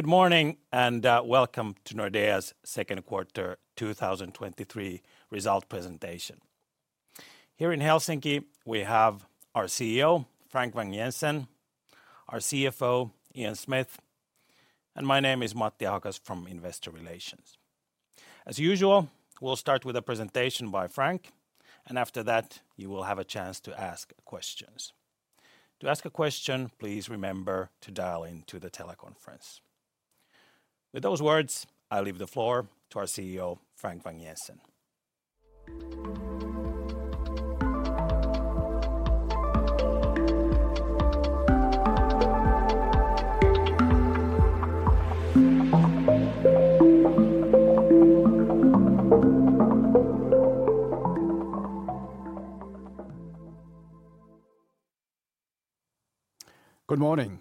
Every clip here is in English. Good morning, welcome to Nordea's 2nd quarter 2023 result presentation. Here in Helsinki, we have our CEO, Frank Vang-Jensen, our CFO, Ian Smith, and my name is Matti Ahokas from Investor Relations. As usual, we'll start with a presentation by Frank, and after that, you will have a chance to ask questions. To ask a question, please remember to dial into the teleconference. With those words, I leave the floor to our CEO, Frank Vang-Jensen. Good morning!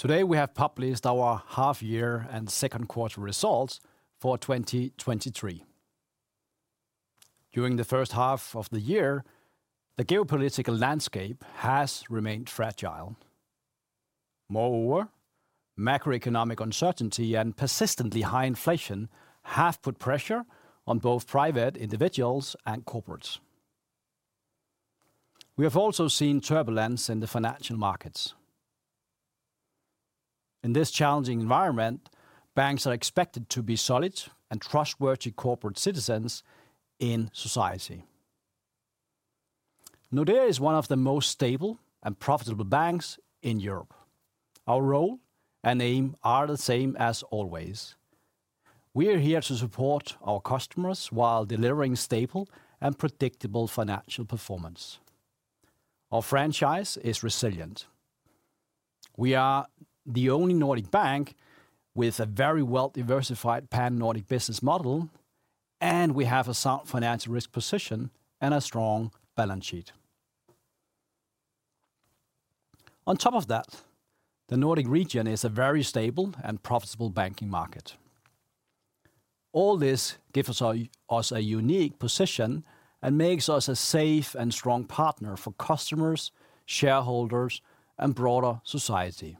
Today, we have published our half year and second quarter results for 2023. During the first half of the year, the geopolitical landscape has remained fragile. Moreover, macroeconomic uncertainty and persistently high inflation have put pressure on both private individuals and corporates. We have also seen turbulence in the financial markets. In this challenging environment, banks are expected to be solid and trustworthy corporate citizens in society. Nordea is one of the most stable and profitable banks in Europe. Our role and aim are the same as always. We are here to support our customers while delivering stable and predictable financial performance. Our franchise is resilient. We are the only Nordic bank with a very well-diversified pan-Nordic business model, and we have a sound financial risk position and a strong balance sheet. On top of that, the Nordic region is a very stable and profitable banking market. All this gives us a unique position and makes us a safe and strong partner for customers, shareholders, and broader society.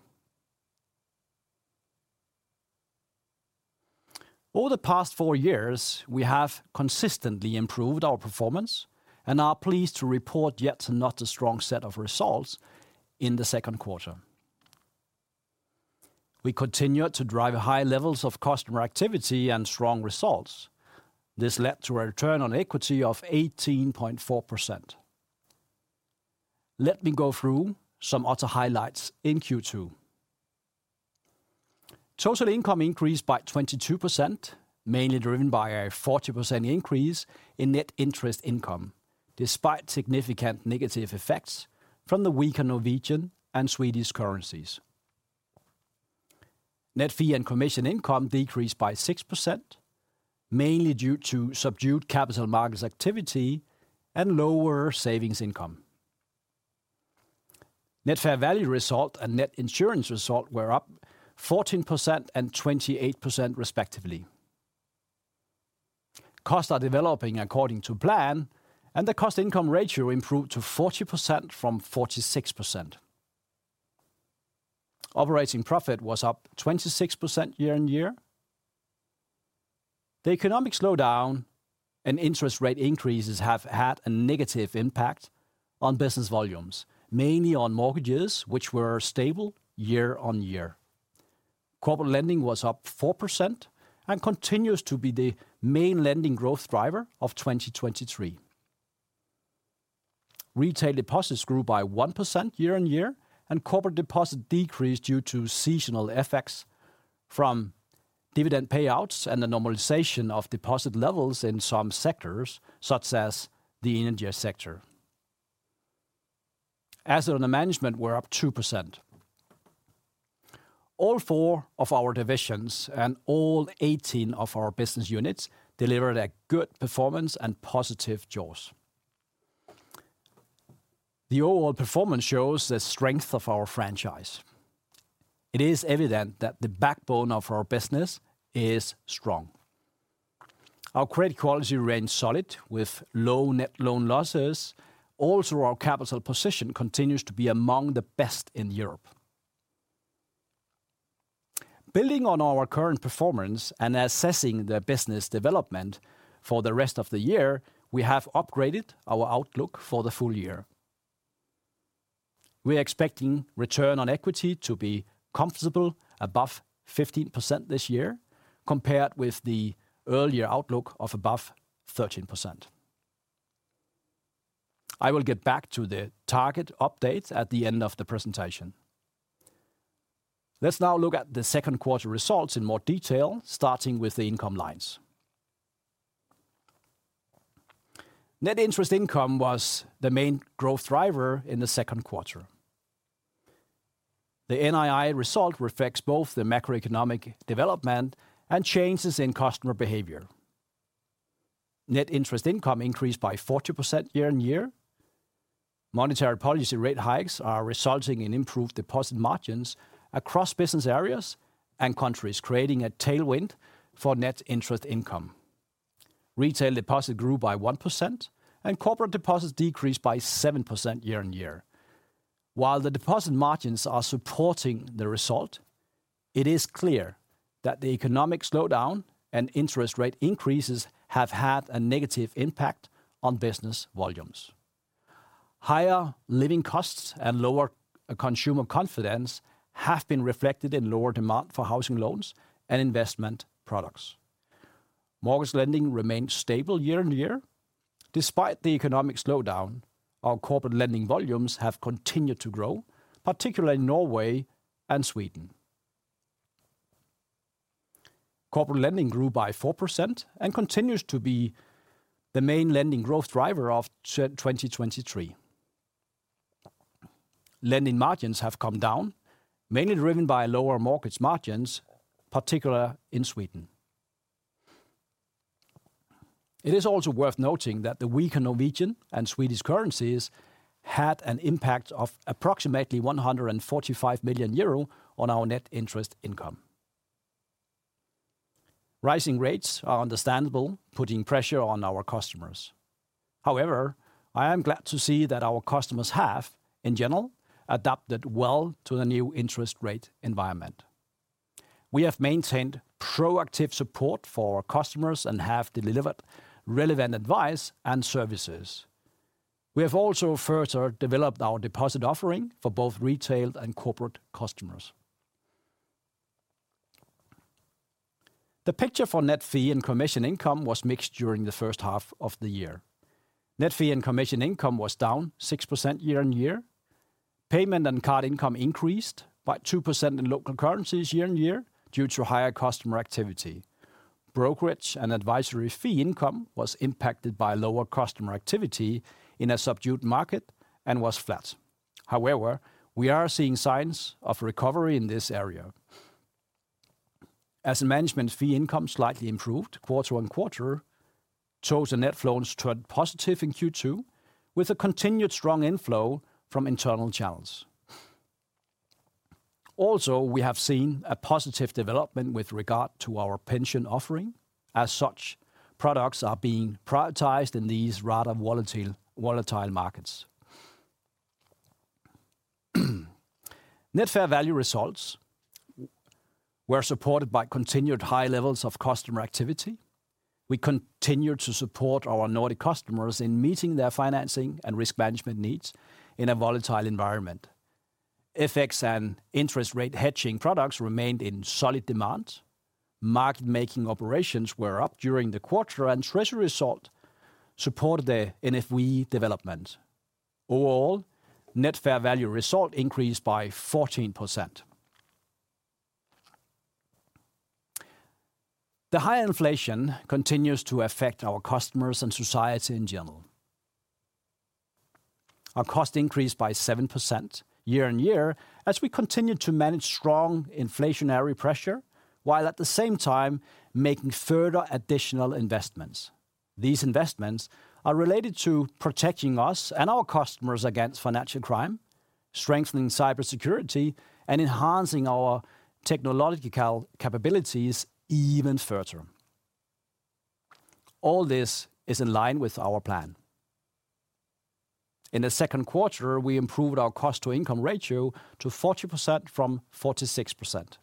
Over the past four years, we have consistently improved our performance and are pleased to report yet another strong set of results in the second quarter. We continued to drive high levels of customer activity and strong results. This led to a return on equity of 18.4%. Let me go through some other highlights in Q2. Total income increased by 22%, mainly driven by a 40% increase in net interest income, despite significant negative effects from the weaker Norwegian and Swedish currencies. Net fee and commission income decreased by 6%, mainly due to subdued capital markets activity and lower savings income. Net fair value result and net insurance result were up 14% and 28%, respectively. Costs are developing according to plan, and the cost-to-income ratio improved to 40% from 46%. Operating profit was up 26% year-on-year. The economic slowdown and interest rate increases have had a negative impact on business volumes, mainly on mortgages, which were stable year-on-year. Corporate lending was up 4% and continues to be the main lending growth driver of 2023. Retail deposits grew by 1% year-on-year, and corporate deposit decreased due to seasonal effects from dividend payouts and the normalization of deposit levels in some sectors, such as the energy sector. Assets under management were up 2%. All four of our divisions and all 18 of our business units delivered a good performance and positive jaws. The overall performance shows the strength of our franchise. It is evident that the backbone of our business is strong. Our credit quality remains solid, with low net loan losses. Also, our capital position continues to be among the best in Europe. Building on our current performance and assessing the business development for the rest of the year, we have upgraded our outlook for the full year. We are expecting return on equity to be comfortable above 15% this year, compared with the earlier outlook of above 13%. I will get back to the target update at the end of the presentation. Let's now look at the second quarter results in more detail, starting with the income lines. Net interest income was the main growth driver in the second quarter. The NII result reflects both the macroeconomic development and changes in customer behavior. Net interest income increased by 40% year-on-year. Monetary policy rate hikes are resulting in improved deposit margins across business areas and countries, creating a tailwind for net interest income. Retail deposits grew by 1%, and corporate deposits decreased by 7% year-on-year. While the deposit margins are supporting the result, it is clear that the economic slowdown and interest rate increases have had a negative impact on business volumes. Higher living costs and lower consumer confidence have been reflected in lower demand for housing loans and investment products. Mortgage lending remained stable year-on-year. Despite the economic slowdown, our corporate lending volumes have continued to grow, particularly in Norway and Sweden. Corporate lending grew by 4% and continues to be the main lending growth driver of 2023. Lending margins have come down, mainly driven by lower mortgage margins, particular in Sweden. It is also worth noting that the weaker Norwegian and Swedish currencies had an impact of approximately 145 million euro on our net interest income. Rising rates are understandable, putting pressure on our customers. However, I am glad to see that our customers have, in general, adapted well to the new interest rate environment. We have maintained proactive support for our customers and have delivered relevant advice and services. We have also further developed our deposit offering for both retail and corporate customers. The picture for net fee and commission income was mixed during the first half of the year. Net fee and commission income was down 6% year-on-year. Payment and card income increased by 2% in local currencies year-on-year, due to higher customer activity. Brokerage and advisory fee income was impacted by lower customer activity in a subdued market and was flat. However, we are seeing signs of recovery in this area. As management fee income slightly improved quarter-on-quarter, total net flows turned positive in Q2, with a continued strong inflow from internal channels. Also, we have seen a positive development with regard to our pension offering, as such products are being prioritized in these rather volatile markets. Net fair value results were supported by continued high levels of customer activity. We continued to support our Nordic customers in meeting their financing and risk management needs in a volatile environment. FX and interest rate hedging products remained in solid demand. Market making operations were up during the quarter, and treasury result supported the NFV development. Overall, net fair value result increased by 14%. The high inflation continues to affect our customers and society in general. Our cost increased by 7% year-on-year as we continued to manage strong inflationary pressure, while at the same time making further additional investments. These investments are related to protecting us and our customers against financial crime, strengthening cybersecurity, and enhancing our technological capabilities even further. All this is in line with our plan. In the second quarter, we improved our cost-to-income ratio to 40% from 46%.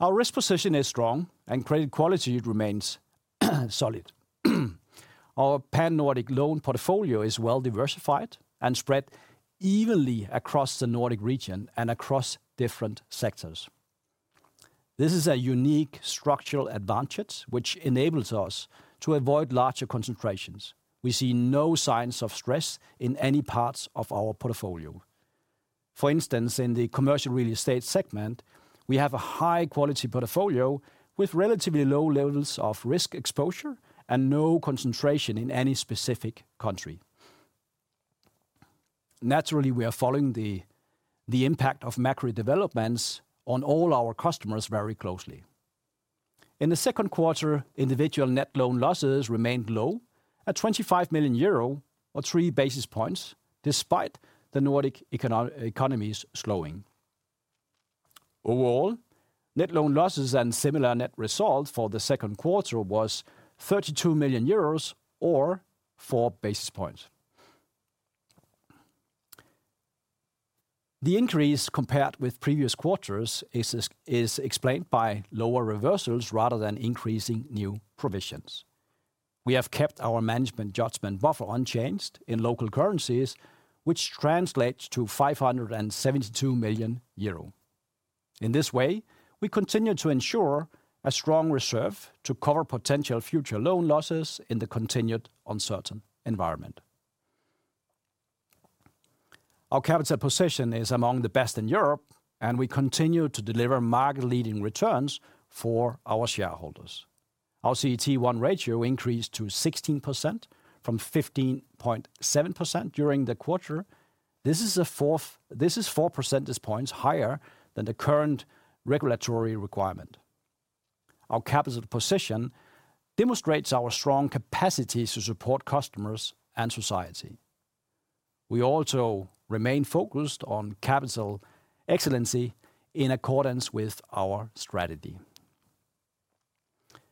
Our risk position is strong and credit quality remains solid. Our pan-Nordic loan portfolio is well diversified and spread evenly across the Nordic region and across different sectors. This is a unique structural advantage, which enables us to avoid larger concentrations. We see no signs of stress in any parts of our portfolio. For instance, in the commercial real estate segment, we have a high-quality portfolio with relatively low levels of risk exposure and no concentration in any specific country. Naturally, we are following the impact of macro developments on all our customers very closely. In the second quarter, individual net loan losses remained low at 25 million euro or 3 basis points, despite the Nordic economy's slowing. Overall, net loan losses and similar net results for the second quarter was 32 million euros or 4 basis points. The increase compared with previous quarters is explained by lower reversals rather than increasing new provisions. We have kept our management judgement buffer unchanged in local currencies, which translates to 572 million euro. In this way, we continue to ensure a strong reserve to cover potential future loan losses in the continued uncertain environment. Our capital position is among the best in Europe, and we continue to deliver market-leading returns for our shareholders. Our CET1 ratio increased to 16% from 15.7% during the quarter. This is 4 percentage points higher than the current regulatory requirement. Our capital position demonstrates our strong capacity to support customers and society. We also remain focused on capital excellency in accordance with our strategy.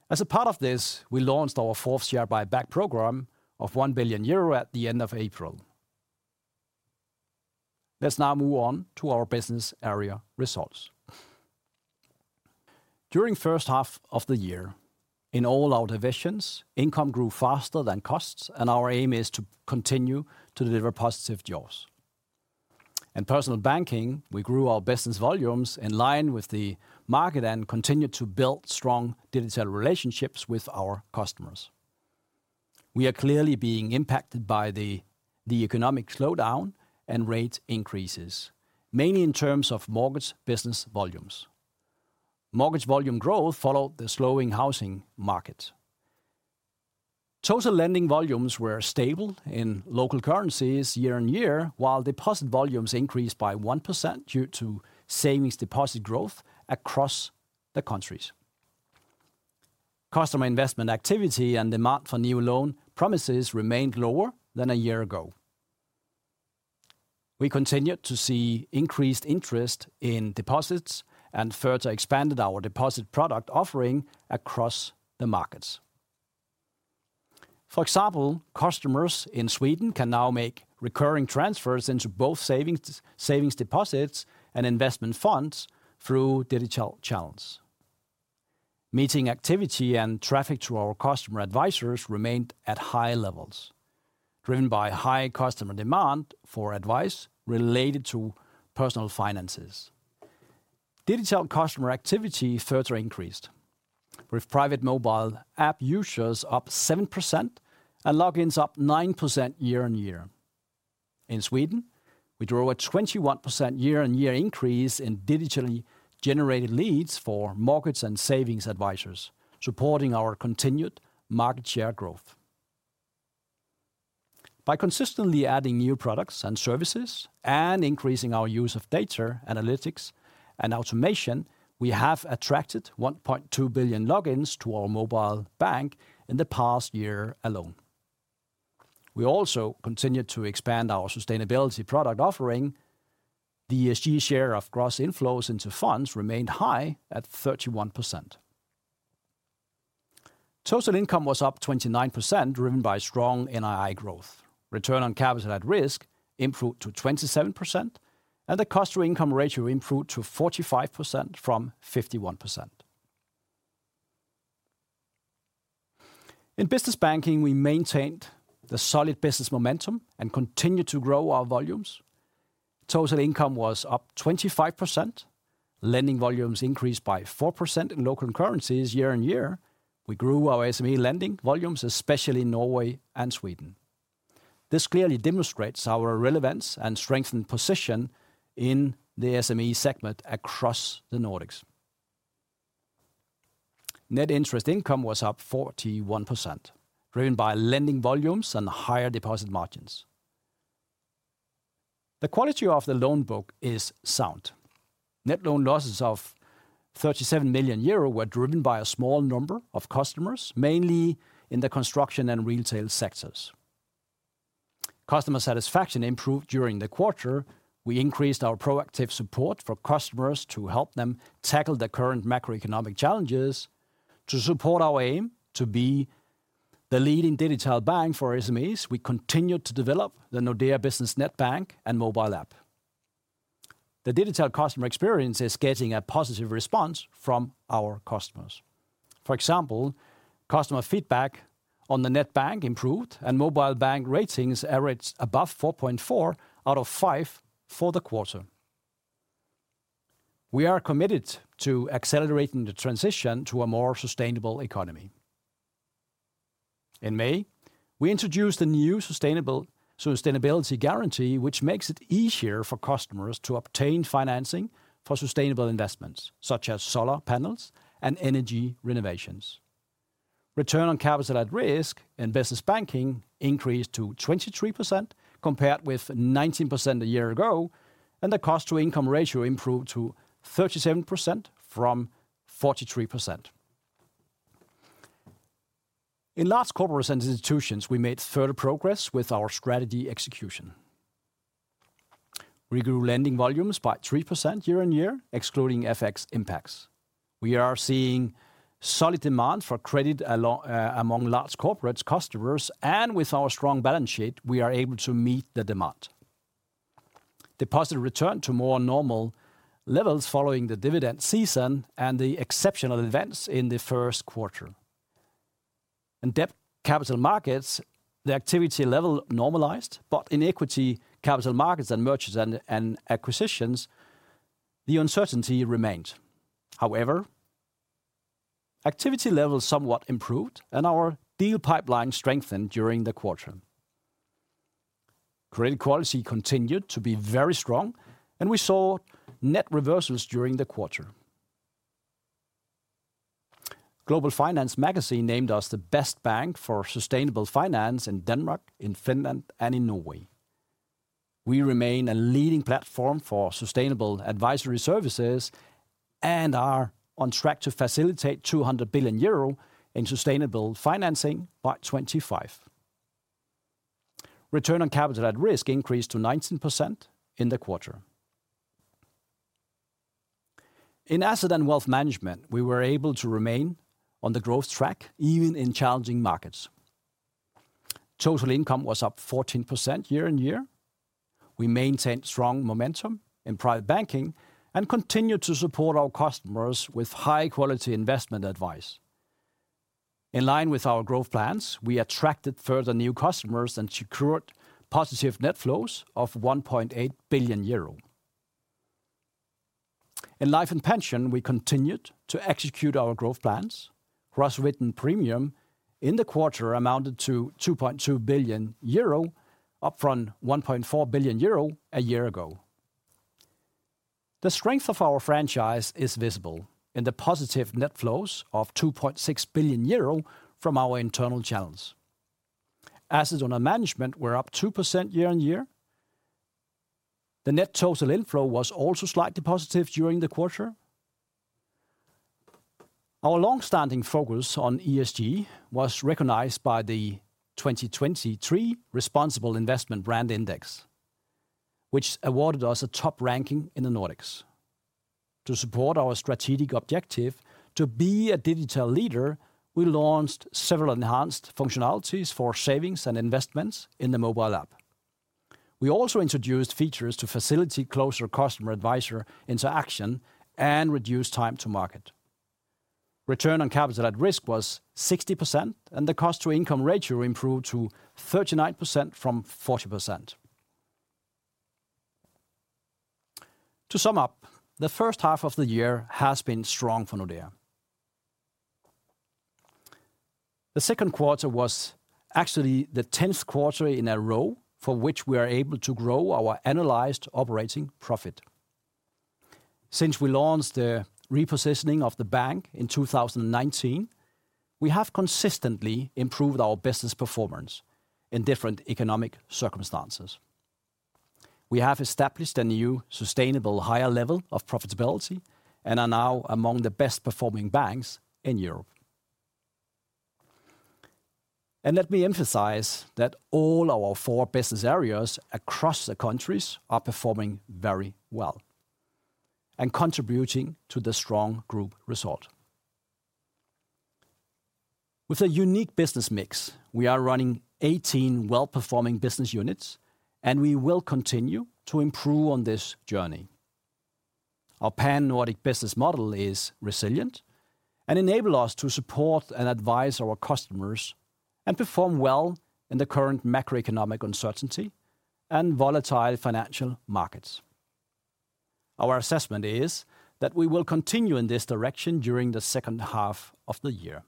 As a part of this, we launched our fourth share buyback program of 1 billion euro at the end of April. Let's now move on to our business area results. During first half of the year, in all our divisions, income grew faster than costs, and our aim is to continue to deliver positive jaws. In Personal Banking, we grew our business volumes in line with the market and continued to build strong digital relationships with our customers. We are clearly being impacted by the economic slowdown and rate increases, mainly in terms of mortgage business volumes. Mortgage volume growth followed the slowing housing market. Total lending volumes were stable in local currencies year-on-year, while deposit volumes increased by 1% due to savings deposit growth across the countries. Customer investment activity and demand for new loan promises remained lower than a year ago. We continued to see increased interest in deposits and further expanded our deposit product offering across the markets. For example, customers in Sweden can now make recurring transfers into both savings deposits and investment funds through digital channels. Meeting activity and traffic to our customer advisors remained at high levels, driven by high customer demand for advice related to personal finances. Digital customer activity further increased, with private mobile app users up 7% and logins up 9% year-on-year. In Sweden, we drove a 21% year-on-year increase in digitally generated leads for markets and savings advisors, supporting our continued market share growth. By consistently adding new products and services and increasing our use of data analytics and automation, we have attracted 1.2 billion logins to our mobile bank in the past year alone. We also continued to expand our sustainability product offering. The SG share of gross inflows into funds remained high at 31%. Total income was up 29%, driven by strong NII growth. Return on capital at risk improved to 27%, the cost-to-income ratio improved to 45% from 51%. In Business Banking, we maintained the solid business momentum and continued to grow our volumes. Total income was up 25%. Lending volumes increased by 4% in local currencies year-on-year. We grew our SME lending volumes, especially in Norway and Sweden. This clearly demonstrates our relevance and strengthened position in the SME segment across the Nordics. Net interest income was up 41%, driven by lending volumes and higher deposit margins. The quality of the loan book is sound. Net loan losses of 37 million euro were driven by a small number of customers, mainly in the construction and retail sectors. Customer satisfaction improved during the quarter. We increased our proactive support for customers to help them tackle the current macroeconomic challenges. To support our aim to be the leading digital bank for SMEs, we continued to develop the Nordea Business Netbank and mobile app. The digital customer experience is getting a positive response from our customers. For example, customer feedback on the Netbank improved, and mobile bank ratings averaged above 4.4 out of 5 for the quarter. We are committed to accelerating the transition to a more sustainable economy. In May, we introduced a new Sustainability Guarantee, which makes it easier for customers to obtain financing for sustainable investments, such as solar panels and energy renovations. Return on capital at risk in Business Banking increased to 23%, compared with 19% a year ago, and the cost-to-income ratio improved to 37% from 43%. In Large Corporates & Institutions, we made further progress with our strategy execution. We grew lending volumes by 3% year on year, excluding FX impacts. We are seeing solid demand for credit along among large corporates customers, and with our strong balance sheet, we are able to meet the demand. Deposit returned to more normal levels following the dividend season and the exceptional events in the first quarter. In debt capital markets, the activity level normalized, but in equity capital markets and mergers and acquisitions, the uncertainty remained. Activity levels somewhat improved, and our deal pipeline strengthened during the quarter. Credit quality continued to be very strong, and we saw net reversals during the quarter. Global Finance Magazine named us the best bank for sustainable finance in Denmark, in Finland, and in Norway. We remain a leading platform for sustainable advisory services and are on track to facilitate 200 billion euro in sustainable financing by 2025. Return on capital at risk increased to 19% in the quarter. In Asset & Wealth Management, we were able to remain on the growth track, even in challenging markets. Total income was up 14% year-on-year. We maintained strong momentum in private banking and continued to support our customers with high-quality investment advice. In line with our growth plans, we attracted further new customers and secured positive net flows of 1.8 billion euro. In life and pension, we continued to execute our growth plans. Gross written premium in the quarter amounted to 2.2 billion euro, up from 1.4 billion euro a year ago. The strength of our franchise is visible in the positive net flows of 2.6 billion euro from our internal channels. Assets under management were up 2% year-on-year. The net total inflow was also slightly positive during the quarter. Our long-standing focus on ESG was recognized by the 2023 Responsible Investment Brand Index, which awarded us a top ranking in the Nordics. To support our strategic objective to be a digital leader, we launched several enhanced functionalities for savings and investments in the mobile app. We also introduced features to facilitate closer customer advisor interaction and reduce time to market. Return on capital at risk was 60%, the cost-to-income ratio improved to 39% from 40%. To sum up, the first half of the year has been strong for Nordea. The second quarter was actually the 10th quarter in a row for which we are able to grow our analyzed operating profit. Since we launched the repositioning of the bank in 2019, we have consistently improved our business performance in different economic circumstances. We have established a new, sustainable, higher level of profitability and are now among the best-performing banks in Europe. Let me emphasize that all our four business areas across the countries are performing very well and contributing to the strong group result. With a unique business mix, we are running 18 well-performing business units, and we will continue to improve on this journey. Our pan-Nordic business model is resilient and enable us to support and advise our customers and perform well in the current macroeconomic uncertainty and volatile financial markets. Our assessment is that we will continue in this direction during the second half of the year.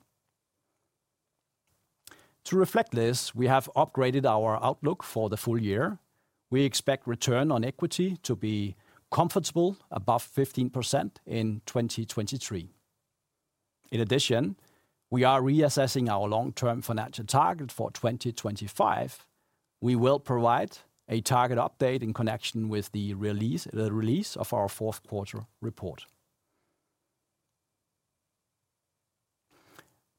To reflect this, we have upgraded our outlook for the full year. We expect return on equity to be comfortable above 15% in 2023. In addition, we are reassessing our long-term financial target for 2025. We will provide a target update in connection with the release of our fourth quarter report.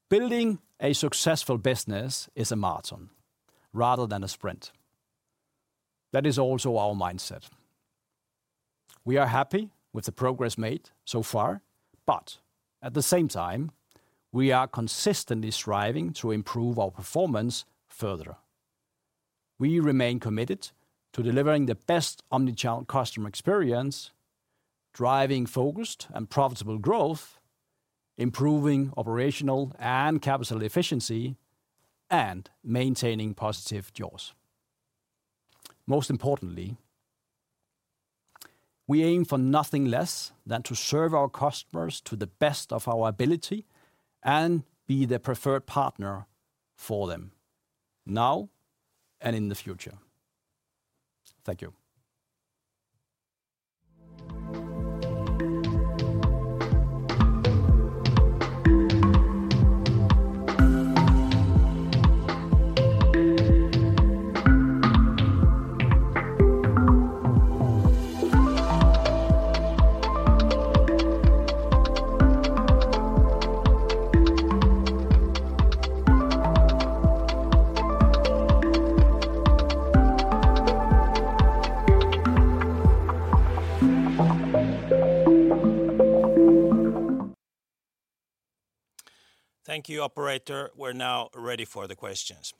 Building a successful business is a marathon rather than a sprint. That is also our mindset. At the same time, we are consistently striving to improve our performance further. We remain committed to delivering the best omnichannel customer experience, driving focused and profitable growth, improving operational and capital efficiency, and maintaining positive jaws. Most importantly, we aim for nothing less than to serve our customers to the best of our ability and be the preferred partner for them now and in the future. Thank you. Thank you, operator. We're now ready for the questions.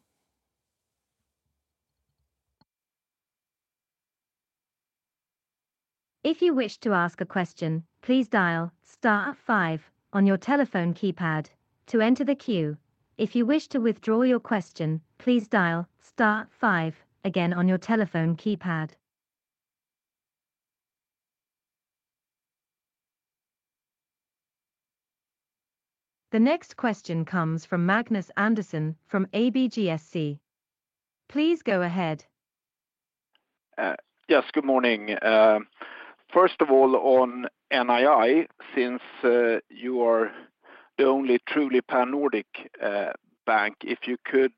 If you wish to ask a question, please dial star five on your telephone keypad to enter the queue. If you wish to withdraw your question, please dial star five again on your telephone keypad. The next question comes from Magnus Andersson from ABG SC. Please go ahead. Yes, good morning. First of all, on NII, since you are the only truly pan-Nordic bank, if you could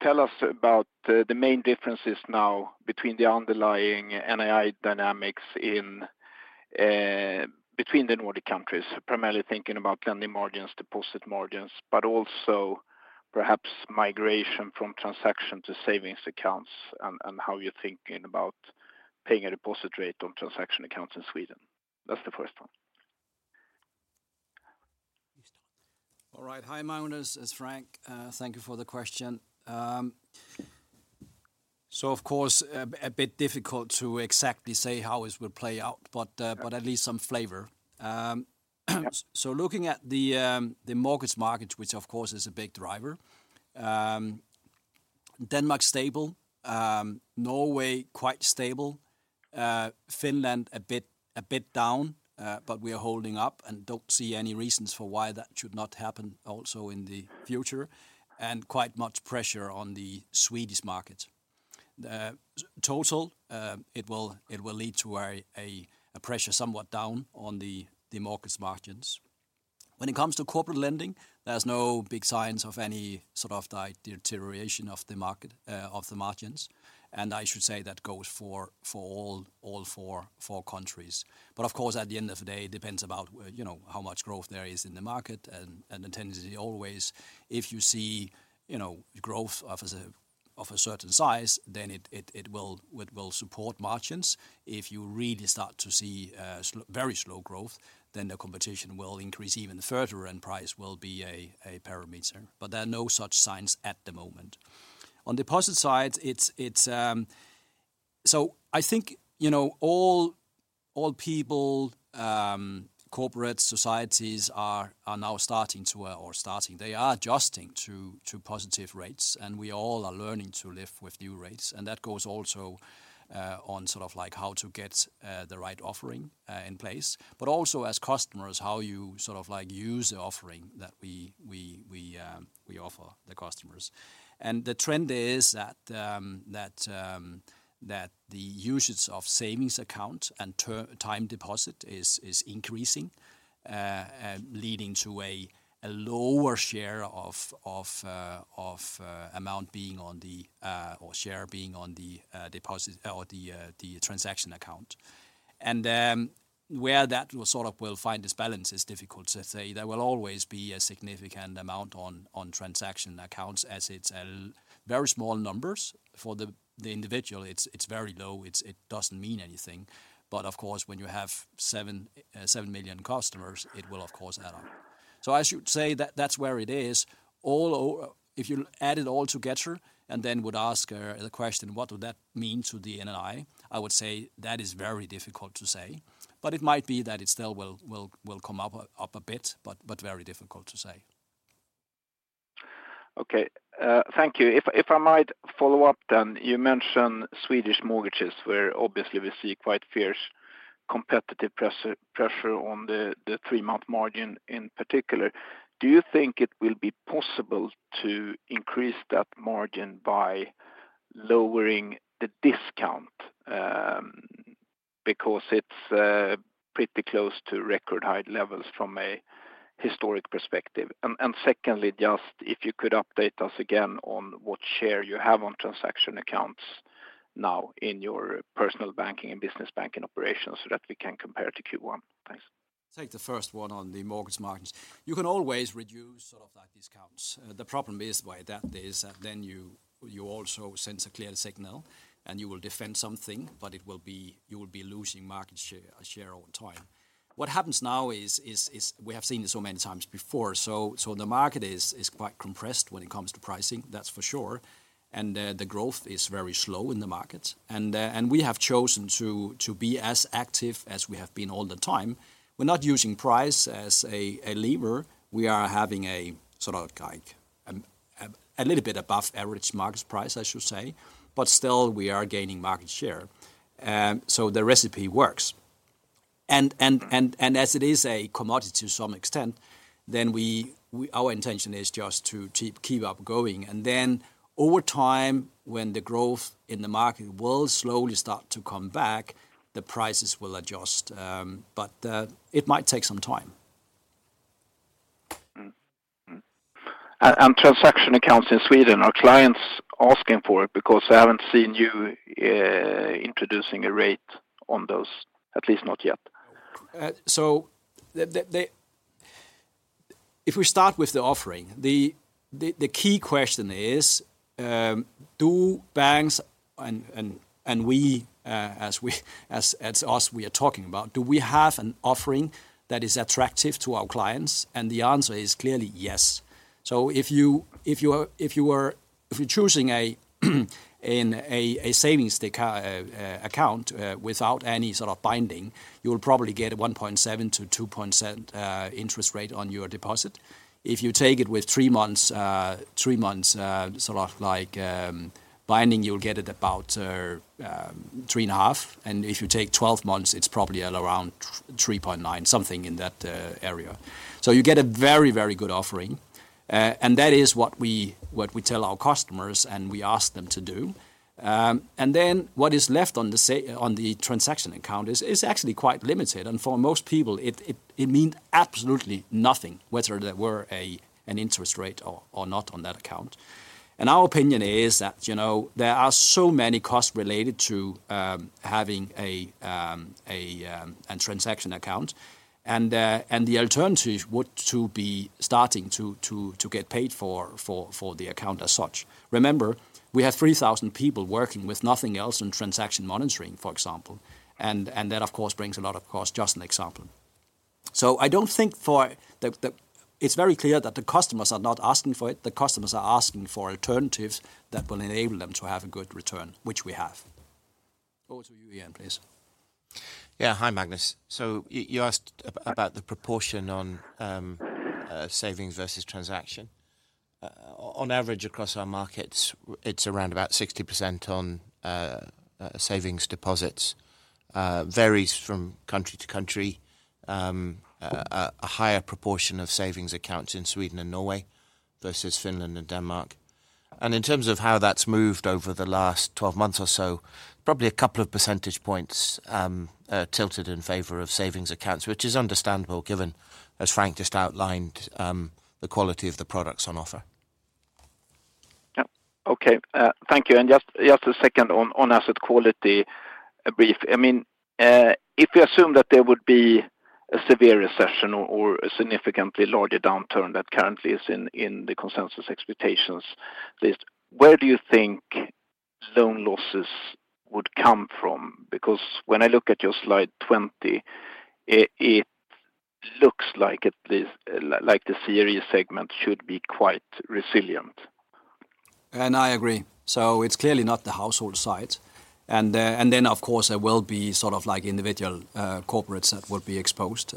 tell us about the main differences now between the underlying NII dynamics in between the Nordic countries. Primarily thinking about lending margins, deposit margins, but also perhaps migration from transaction to savings accounts, and how you're thinking about paying a deposit rate on transaction accounts in Sweden. That's the first one. All right. Hi, Magnus, it's Frank. Thank you for the question. Of course, a bit difficult to exactly say how it will play out, but at least some flavor. Yep. Looking at the mortgage market, which of course is a big driver, Denmark, stable. Norway, quite stable. Finland, a bit down, but we are holding up and don't see any reasons for why that should not happen also in the future, and quite much pressure on the Swedish market. Total, it will lead to a pressure somewhat down on the mortgage margins. When it comes to corporate lending, there's no big signs of any sort of the deterioration of the market, of the margins, and I should say that goes for all four countries. Of course, at the end of the day, it depends about where, you know, how much growth there is in the market, and the tendency always, if you see, you know, growth of a certain size, then it will support margins. If you really start to see very slow growth, then the competition will increase even further, and price will be a parameter. There are no such signs at the moment. On deposit side, it's... I think, you know, all people, corporate societies are now starting to, or starting, they are adjusting to positive rates, and we all are learning to live with new rates. That goes also on sort of like how to get the right offering in place, but also as customers, how you sort of like use the offering that we offer the customers. The trend is that the usage of savings account and time deposit is increasing, leading to a lower share of amount being on the or share being on the deposit or the transaction account. Where that will sort of find its balance is difficult to say. There will always be a significant amount on transaction accounts as it's a very small numbers. For the individual, it's very low. It doesn't mean anything. Of course, when you have 7 million customers, it will of course add up. I should say that that's where it is. If you add it all together, and then would ask the question: What would that mean to the NII? I would say that is very difficult to say, but it might be that it still will come up a bit, but very difficult to say. Okay, thank you. If I might follow up then, you mentioned Swedish mortgages, where obviously we see quite fierce competitive pressure on the three-month margin in particular. Do you think it will be possible to increase that margin by lowering the discount? Because it's pretty close to record high levels from a historic perspective. Secondly, just if you could update us again on what share you have on transaction accounts now in your Personal Banking and Business Banking operations so that we can compare to Q1. Thanks. Take the first one on the mortgage margins. You can always reduce sort of that discounts. The problem is by that is, then you also send a clear signal, and you will defend something, but you will be losing market share over time. What happens now is we have seen this so many times before, so the market is quite compressed when it comes to pricing, that's for sure, and the growth is very slow in the market. We have chosen to be as active as we have been all the time. We're not using price as a lever. We are having a sort of like a little bit above average market price, I should say, but still we are gaining market share. The recipe works. As it is a commodity to some extent, then our intention is just to keep up going. Over time, when the growth in the market will slowly start to come back, the prices will adjust, but it might take some time. Mm-hmm. Mm. Transaction accounts in Sweden, are clients asking for it? Because I haven't seen you, introducing a rate on those, at least not yet. If we start with the offering, the key question is: Do banks and we, as us, we are talking about, do we have an offering that is attractive to our clients? And the answer is clearly yes. If you are choosing a savings deposit account without any sort of binding, you'll probably get a 1.7%-2.0% interest rate on your deposit. If you take it with three months sort of like binding, you'll get it about 3.5%, and if you take 12 months, it's probably at around 3.9%, something in that area. You get a very, very good offering, and that is what we, what we tell our customers, and we ask them to do. What is left on the transaction account is actually quite limited, and for most people, it means absolutely nothing, whether there were an interest rate or not on that account. Our opinion is that, you know, there are so many costs related to having a transaction account, and the alternative would to be starting to get paid for the account as such. Remember, we have 3,000 people working with nothing else in transaction monitoring, for example. That, of course, brings a lot of cost, just an example. It's very clear that the customers are not asking for it. The customers are asking for alternatives that will enable them to have a good return, which we have. Over to you, Ian, please. Yeah. Hi, Magnus. You asked about the proportion on savings versus transaction. On average, across our markets, it's around about 60% on savings deposits. Varies from country to country. A higher proportion of savings accounts in Sweden and Norway versus Finland and Denmark. In terms of how that's moved over the last 12 months or so, probably a couple of percentage points tilted in favor of savings accounts, which is understandable, given, as Frank just outlined, the quality of the products on offer. Yep. Okay, thank you. Just a second on asset quality, brief. I mean, if you assume that there would be a severe recession or a significantly larger downturn that currently is in the consensus expectations, where do you think loan losses would come from? Because when I look at your slide 20, it looks like the theory segment should be quite resilient. I agree. It's clearly not the household side. Then, of course, there will be sort of like individual corporates that would be exposed,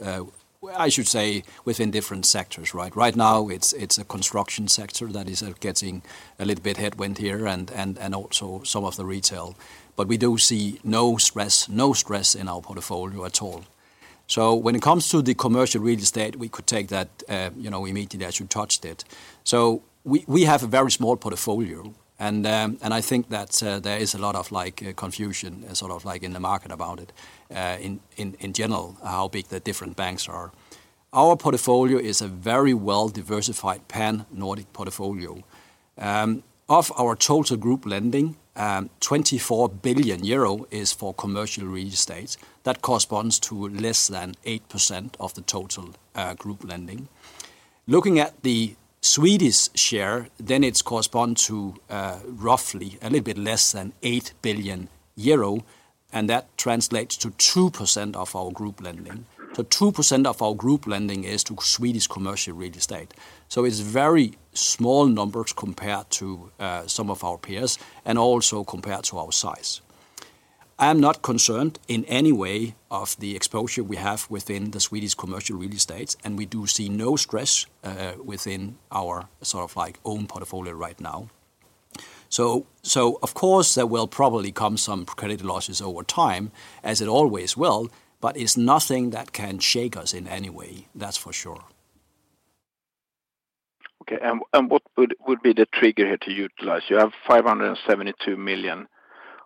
I should say, within different sectors, right? Right now, it's a construction sector that is getting a little bit headwind here and also some of the retail. We do see no stress in our portfolio at all. When it comes to the commercial real estate, we could take that, you know, immediately, as you touched it. We have a very small portfolio, and I think that there is a lot of, like, confusion, sort of like in the market about it, in general, how big the different banks are. Our portfolio is a very well-diversified pan-Nordic portfolio. Of our total group lending, 24 billion euro is for commercial real estates. That corresponds to less than 8% of the total group lending. Looking at the Swedish share, it's correspond to roughly a little bit less than 8 billion euro. That translates to 2% of our group lending. Two percent of our group lending is to Swedish commercial real estate. It's very small numbers compared to some of our peers and also compared to our size. I am not concerned in any way of the exposure we have within the Swedish commercial real estates. We do see no stress within our sort of like own portfolio right now. Of course, there will probably come some credit losses over time, as it always will, but it's nothing that can shake us in any way. That's for sure. Okay, and what would be the trigger here to utilize? You have 572 million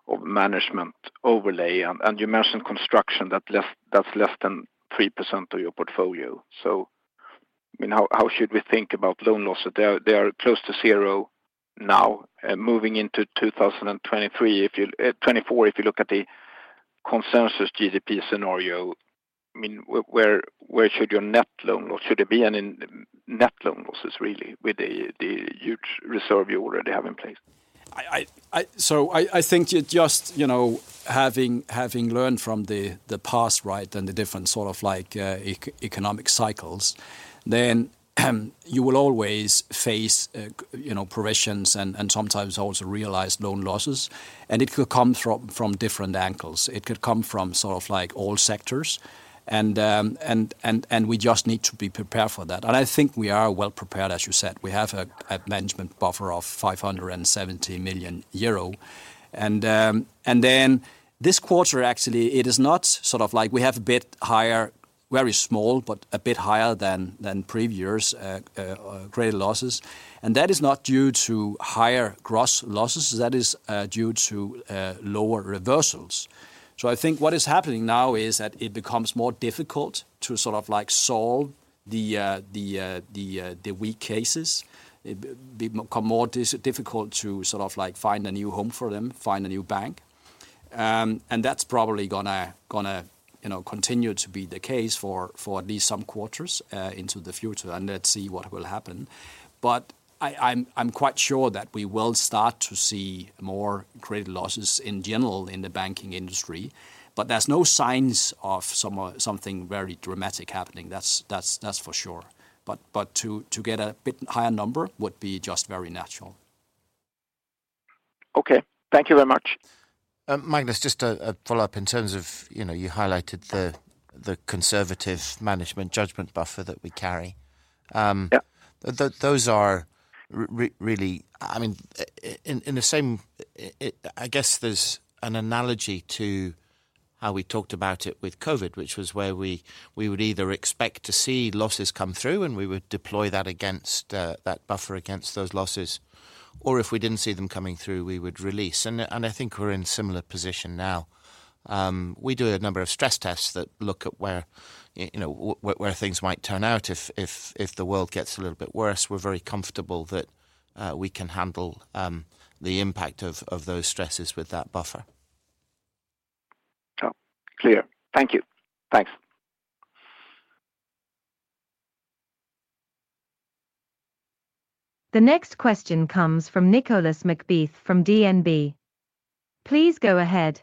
of management overlay, and you mentioned construction, that's less than 3% of your portfolio. I mean, how should we think about loan losses? They are close to zero now, moving into 2023, if you 2024, if you look at the consensus GDP scenario, I mean, where should your net loan or should there be any net loan losses, really, with the huge reserve you already have in place? I think you just, you know, having learned from the past, right, and the different sort of, like, economic cycles, then, you will always face, you know, provisions and sometimes also realize loan losses, and it could come from different angles. It could come from sort of like all sectors, and we just need to be prepared for that. I think we are well prepared, as you said. We have a management buffer of 570 million euro. This quarter, actually, it is not sort of like we have a bit higher, very small, but a bit higher than previous years, credit losses. That is not due to higher gross losses, that is due to lower reversals. I think what is happening now is that it becomes more difficult to sort of like solve the weak cases. It become more difficult to sort of like find a new home for them, find a new bank. That's probably gonna, you know, continue to be the case for at least some quarters into the future, and let's see what will happen. I'm quite sure that we will start to see more credit losses in general in the banking industry, but there's no signs of something very dramatic happening. That's for sure. To get a bit higher number would be just very natural. Okay. Thank you very much. Magnus, just a follow-up in terms of, you know, you highlighted the conservative management judgement buffer that we carry. Yeah. Those are really... I mean, in the same, I guess there's an analogy to... how we talked about it with COVID, which was where we would either expect to see losses come through, and we would deploy that against that buffer against those losses, or if we didn't see them coming through, we would release. I think we're in a similar position now. We do a number of stress tests that look at where, you know, where things might turn out if the world gets a little bit worse. We're very comfortable that we can handle the impact of those stresses with that buffer. Oh, clear. Thank you. Thanks. The next question comes from Nicolas McBeath from DNB. Please go ahead.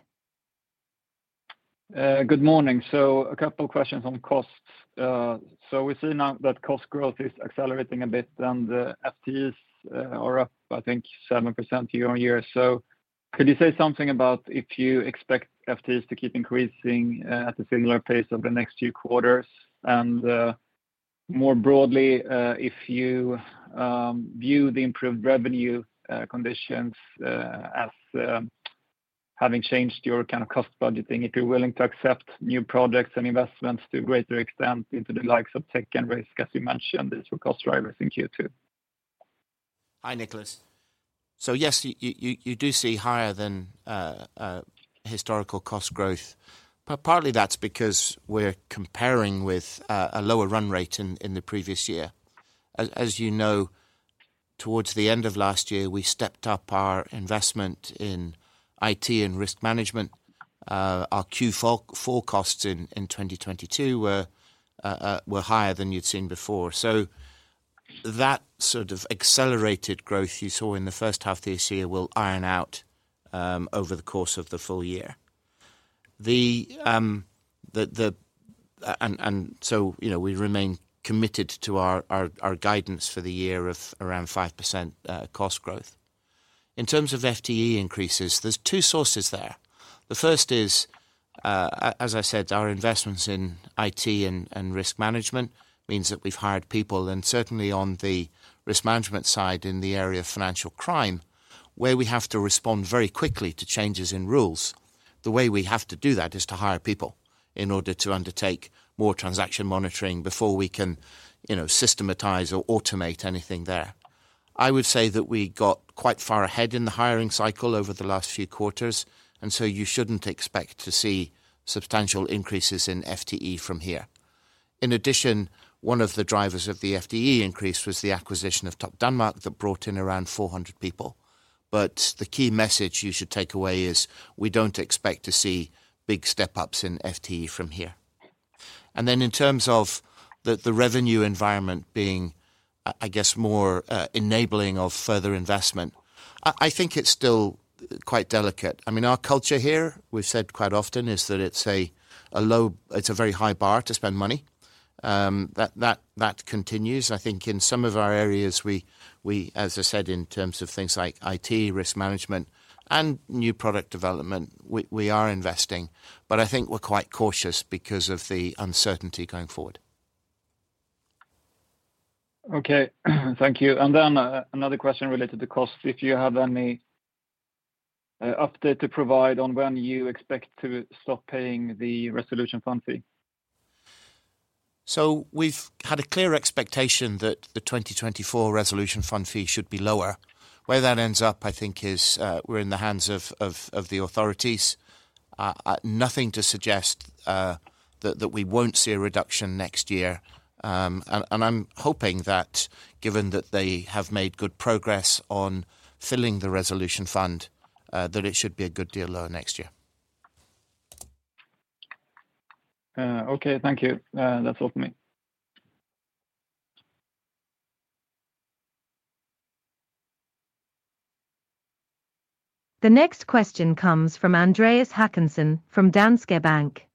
Good morning. A couple questions on costs. We see now that cost growth is accelerating a bit, and the FTEs are up, I think, 7% year-over-year. Could you say something about if you expect FTEs to keep increasing at a similar pace over the next few quarters? More broadly, if you view the improved revenue conditions as having changed your kind of cost budgeting, if you're willing to accept new projects and investments to a greater extent into the likes of tech and risk, as you mentioned, these were cost drivers in Q2. Hi, Nicolas. Yes, you do see higher than historical cost growth. Partly that's because we're comparing with a lower run rate in the previous year. As you know, towards the end of last year, we stepped up our investment in IT and risk management. Our Q4 full costs in 2022 were higher than you'd seen before. That sort of accelerated growth you saw in the first half of this year will iron out over the course of the full year. You know, we remain committed to our guidance for the year of around 5% cost growth. In terms of FTE increases, there's two sources there. The first is, as I said, our investments in IT and risk management means that we've hired people, and certainly on the risk management side, in the area of financial crime, where we have to respond very quickly to changes in rules. The way we have to do that is to hire people in order to undertake more transaction monitoring before we can, you know, systematize or automate anything there. I would say that we got quite far ahead in the hiring cycle over the last few quarters, and so you shouldn't expect to see substantial increases in FTE from here. In addition, one of the drivers of the FTE increase was the acquisition of Topdanmark, that brought in around 400 people. But the key message you should take away is, we don't expect to see big step-ups in FTE from here. In terms of the revenue environment being, I guess, more enabling of further investment, I think it's still quite delicate. I mean, our culture here, we've said quite often, is that it's a very high bar to spend money. That continues. I think in some of our areas, we, as I said, in terms of things like IT, risk management, and new product development, we are investing, but I think we're quite cautious because of the uncertainty going forward. Okay, thank you. Another question related to cost. If you have any update to provide on when you expect to stop paying the resolution fund fee? We've had a clear expectation that the 2024 resolution fund fee should be lower. Where that ends up, I think is, we're in the hands of the authorities. Nothing to suggest that we won't see a reduction next year. And I'm hoping that given that they have made good progress on filling the resolution fund, that it should be a good deal lower next year. Okay. Thank you. That's all for me. The next question comes from Andreas Håkansson from Danske Bank.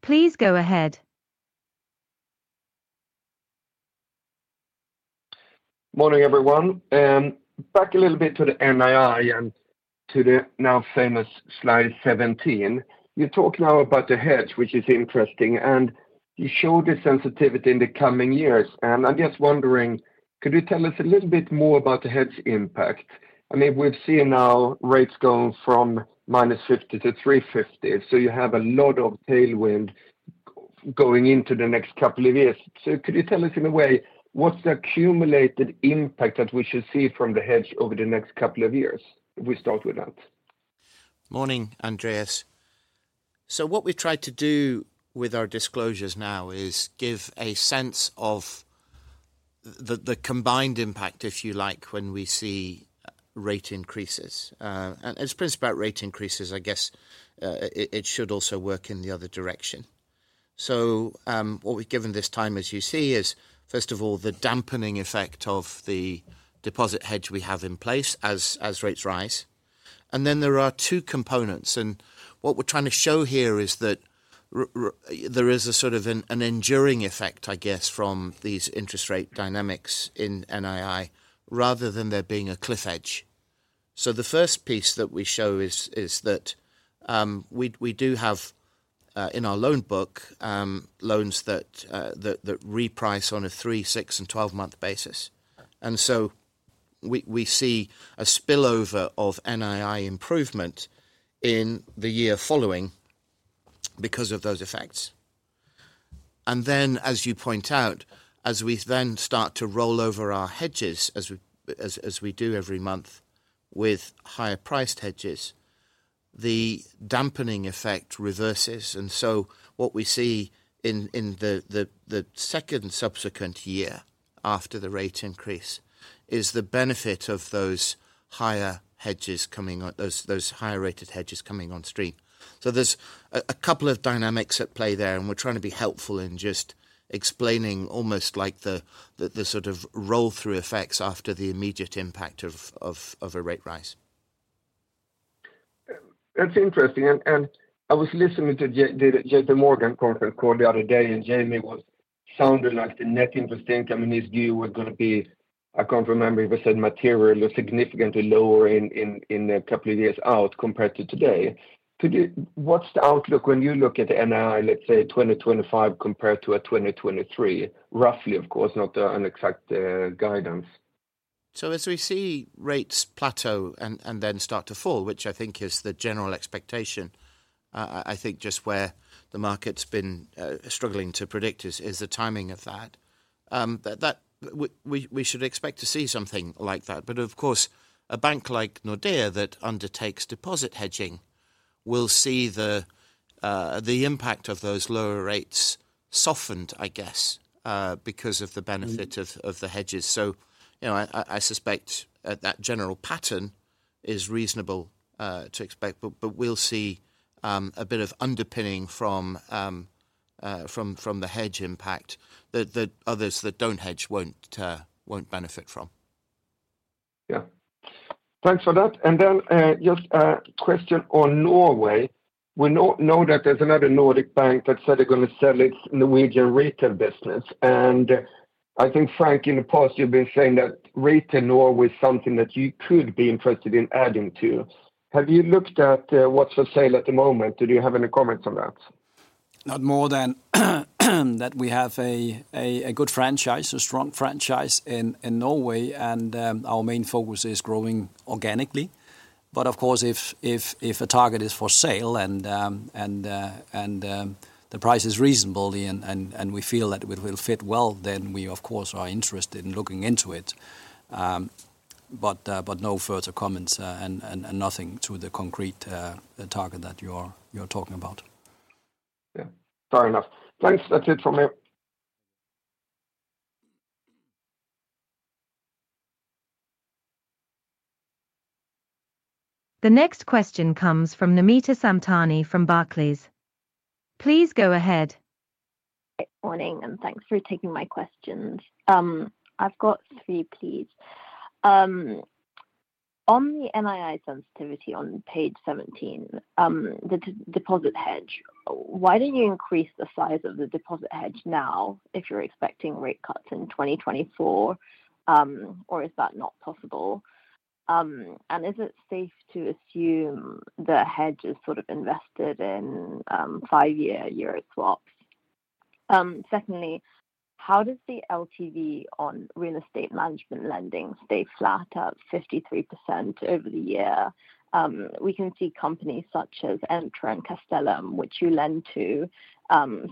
Please go ahead. Morning, everyone. Back a little bit to the NII and to the now famous slide 17. You talk now about the hedge, which is interesting, and you show the sensitivity in the coming years. I'm just wondering: could you tell us a little bit more about the hedge impact? I mean, we've seen now rates going from -50 to 350, so you have a lot of tailwind going into the next couple of years. Could you tell us, in a way, what's the accumulated impact that we should see from the hedge over the next couple of years? If we start with that. Morning, Andreas. What we've tried to do with our disclosures now is give a sense of the combined impact, if you like, when we see rate increases. As principle about rate increases, I guess, it should also work in the other direction. What we've given this time, as you see, is, first of all, the dampening effect of the deposit hedge we have in place as rates rise. Then there are two components, and what we're trying to show here is that there is a sort of an enduring effect, I guess, from these interest rate dynamics in NII, rather than there being a cliff edge. The first piece that we show is that we do have in our loan book loans that reprice on a three, six, and 12-month basis. We see a spillover of NII improvement in the year following because of those effects. As you point out, as we then start to roll over our hedges, as we do every month with higher priced hedges, the dampening effect reverses. What we see in the second subsequent year after the rate increase, is the benefit of those higher hedges coming on, those higher rated hedges coming on stream. There's a couple of dynamics at play there, and we're trying to be helpful in just explaining, almost like the sort of roll-through effects after the immediate impact of a rate rise. That's interesting. I was listening to the JPMorgan conference call the other day, and Jamie sounded like the net interest income his view was gonna be, I can't remember if he said materially or significantly lower in a couple of years out compared to today. What's the outlook when you look at NII, let's say, 2025 compared to a 2023? Roughly, of course, not an exact guidance. As we see rates plateau and then start to fall, which I think is the general expectation, I think just where the market's been struggling to predict is the timing of that. But that we should expect to see something like that. Of course, a bank like Nordea, that undertakes deposit hedging, will see the impact of those lower rates softened, I guess, because of the benefit. Mm. of the hedges. You know, I suspect that general pattern is reasonable to expect, but we'll see, a bit of underpinning from the hedge impact, that others that don't hedge won't benefit from. Yeah. Thanks for that. Just a question on Norway. We know that there's another Nordic bank that said they're gonna sell its Norwegian retail business. I think, Frank, in the past, you've been saying that retail Norway is something that you could be interested in adding to. Have you looked at, what's for sale at the moment? Do you have any comments on that? Not more than that we have a good franchise, a strong franchise in Norway, and our main focus is growing organically. Of course, if a target is for sale and the price is reasonable, and we feel that it will fit well, then we of course, are interested in looking into it. No further comments, and nothing to the concrete target that you're talking about. Yeah. Fair enough. Thanks. That's it from me. The next question comes from Namita Samtani from Barclays. Please go ahead. Good morning, thanks for taking my questions. I've got three, please. On the NII sensitivity on page 17, the deposit hedge, why didn't you increase the size of the deposit hedge now if you're expecting rate cuts in 2024? Is that not possible? Is it safe to assume the hedge is sort of invested in 5-year euro swaps? Secondly, how does the LTV on real estate management lending stay flat at 53% over the year? We can see companies such as Entra and Castellum, which you lend to,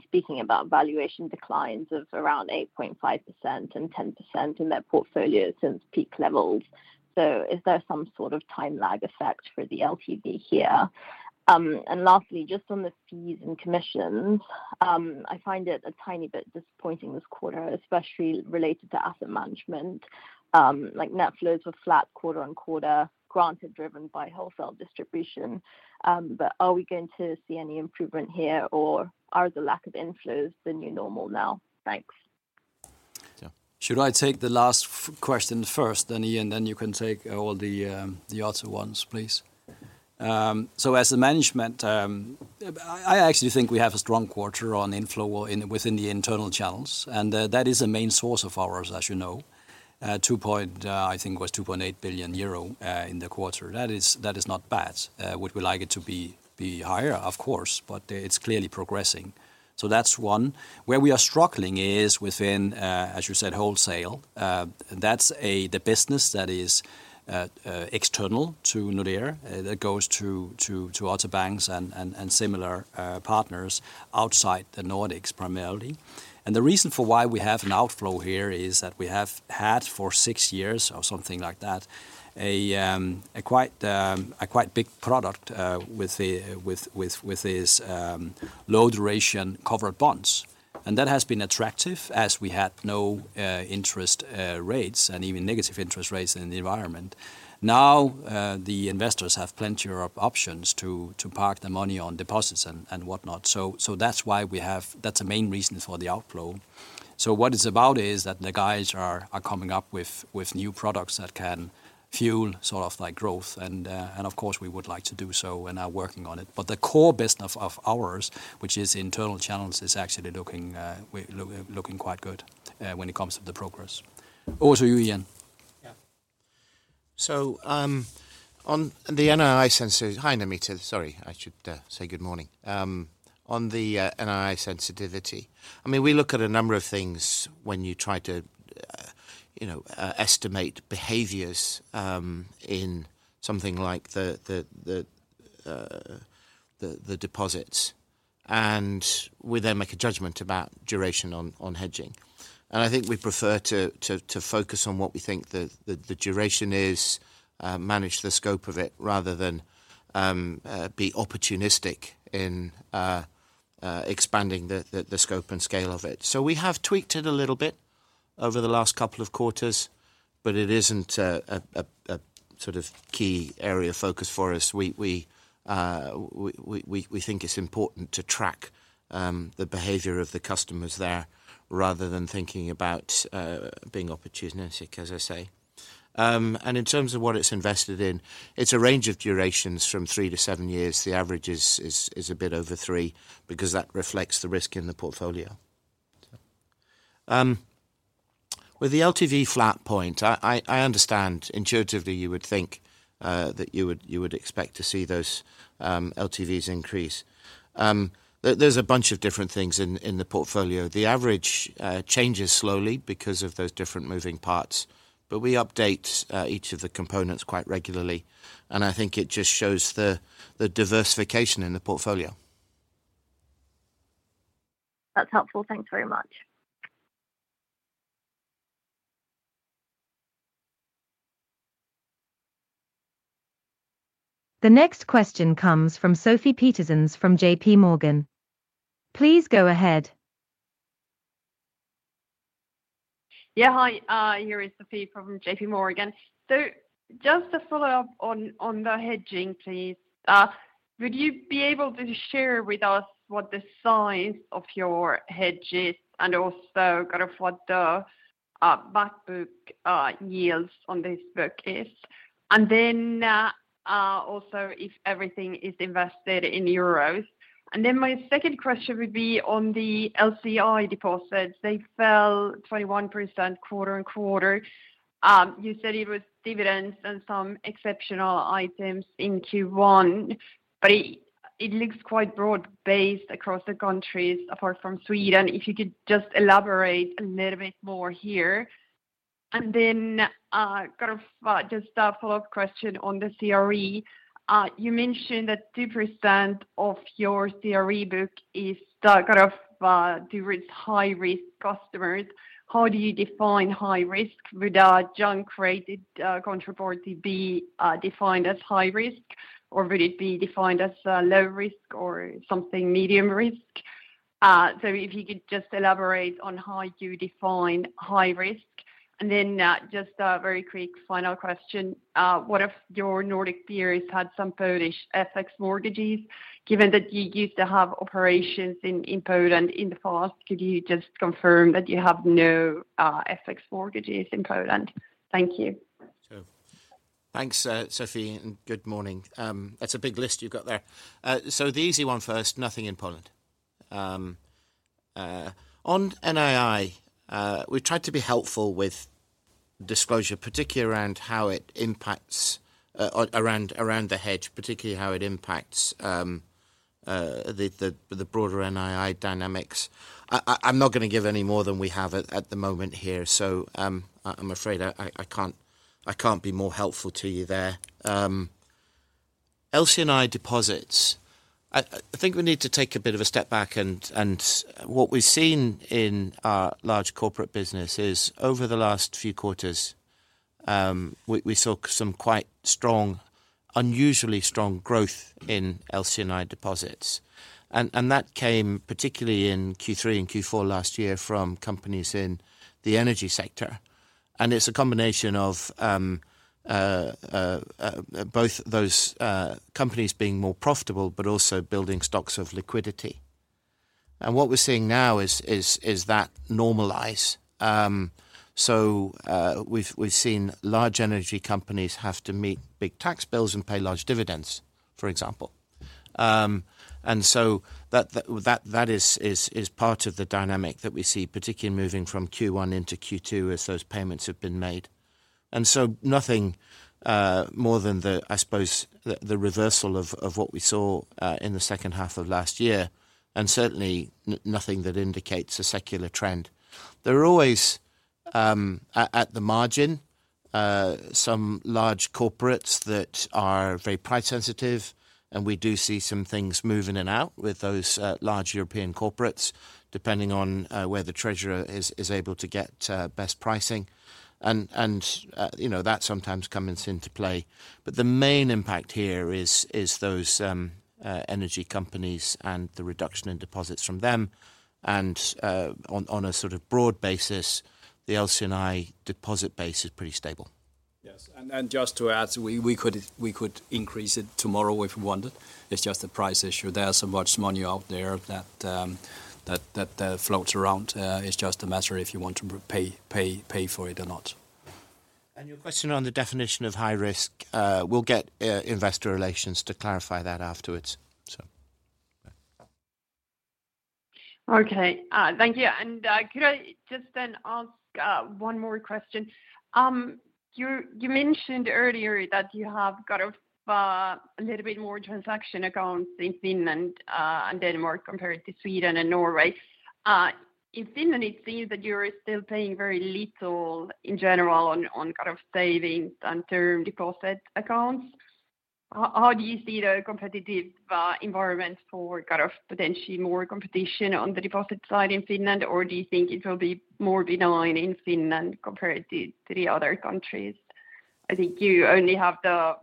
speaking about valuation declines of around 8.5% and 10% in their portfolio since peak levels. Is there some sort of time lag effect for the LTV here? Lastly, just on the fees and commissions, I find it a tiny bit disappointing this quarter, especially related to asset management. Net flows were flat quarter-on-quarter, granted, driven by wholesale distribution. Are we going to see any improvement here, or are the lack of inflows the new normal now? Thanks. Should I take the last question first, then, Ian, then you can take all the other ones, please. As the management, I actually think we have a strong quarter on inflow within the internal channels, and that is a main source of ours, as you know. 2 point, I think it was 2.8 billion euro in the quarter. That is not bad. Would we like it to be higher? Of course, but it's clearly progressing. That's one. Where we are struggling is within, as you said, wholesale. That's the business that is external to Nordea, that goes to other banks and similar partners outside the Nordics, primarily. The reason for why we have an outflow here is that we have had for six years, or something like that, a quite big product with the low duration covered bonds. That has been attractive as we had no interest rates and even negative interest rates in the environment. The investors have plenty of options to park their money on deposits and whatnot. That's the main reason for the outflow. What it's about is that the guys are coming up with new products that can fuel sort of like growth, and of course, we would like to do so and are working on it. The core business of ours, which is internal channels, is actually looking quite good, when it comes to the progress. Over to you, Ian. Yeah. On the NII sensors. Hi, Namita. Sorry, I should say good morning. On the NII sensitivity, I mean, we look at a number of things when you try to estimate behaviors in something like the deposits, and we then make a judgment about duration on hedging. I think we prefer to focus on what we think the duration is, manage the scope of it, rather than be opportunistic in expanding the scope and scale of it. We have tweaked it a little bit over the last couple of quarters, but it isn't a sort of key area of focus for us. We think it's important to track the behavior of the customers there, rather than thinking about being opportunistic, as I say. In terms of what it's invested in, it's a range of durations from three to seven years. The average is a bit over 3, because that reflects the risk in the portfolio. With the LTV flat point, I understand intuitively you would think that you would expect to see those LTVs increase. There's a bunch of different things in the portfolio. The average changes slowly because of those different moving parts, but we update each of the components quite regularly, and I think it just shows the diversification in the portfolio. That's helpful. Thanks very much. The next question comes from Sofie Peterzens from JPMorgan. Please go ahead. Yeah, hi. Here is Sofie from JPMorgan. Just to follow up on the hedging, please, would you be able to share with us what the size of your hedges and also kind of what the backbook yields on this book is? Also if everything is invested in EUR. My second question would be on the LCI deposits. They fell 21% quarter-on-quarter. You said it was dividends and some exceptional items in Q1, but it looks quite broad-based across the countries, apart from Sweden. If you could just elaborate a little bit more here. Kind of just a follow-up question on the CRE. You mentioned that 2% of your CRE book is the kind of the risk, high-risk customers. How do you define high risk? Would a junk-rated counterparty be defined as high risk, or would it be defined as low risk or something medium risk? If you could just elaborate on how you define high risk. Just a very quick final question. What if your Nordic peers had some Polish FX mortgages, given that you used to have operations in Poland in the past? Could you just confirm that you have no FX mortgages in Poland? Thank you. Sure. Thanks, Sofie, and good morning. That's a big list you've got there. The easy one first, nothing in Poland. On NII, we tried to be helpful with disclosure, particularly around how it impacts, around the hedge, particularly how it impacts the broader NII dynamics. I'm not going to give any more than we have at the moment here, so, I'm afraid I can't be more helpful to you there. LCI deposits. I think we need to take a bit of a step back, and what we've seen in our large corporate business is over the last few quarters, we saw some quite strong, unusually strong growth in LCI deposits. That came particularly in Q3 and Q4 last year from companies in the energy sector. It's a combination of both those companies being more profitable, but also building stocks of liquidity. What we're seeing now is that normalize. So, we've seen large energy companies have to meet big tax bills and pay large dividends, for example. So that is part of the dynamic that we see, particularly moving from Q1 into Q2 as those payments have been made. Nothing more than the, I suppose, the reversal of what we saw in the second half of last year, and certainly nothing that indicates a secular trend. There are always, at the margin, some large corporates that are very price sensitive, and we do see some things move in and out with those, large European corporates, depending on, where the treasurer is able to get, best pricing. You know, that sometimes comes into play. The main impact here is those energy companies and the reduction in deposits from them, and, on a sort of broad basis, the LCI deposit base is pretty stable. Yes. Just to add, we could increase it tomorrow if we wanted. It's just a price issue. There are so much money out there that floats around. It's just a matter if you want to pay for it or not. Your question on the definition of high risk, we'll get investor relations to clarify that afterwards. Okay, thank you. Could I just then ask, one more question? You, you mentioned earlier that you have got, a little bit more transaction accounts in Finland, and Denmark compared to Sweden and Norway. In Finland, it seems that you're still paying very little in general on kind of savings and term deposit accounts. How, how do you see the competitive environment for kind of potentially more competition on the deposit side in Finland? Or do you think it will be more benign in Finland compared to the other countries? I think you only have the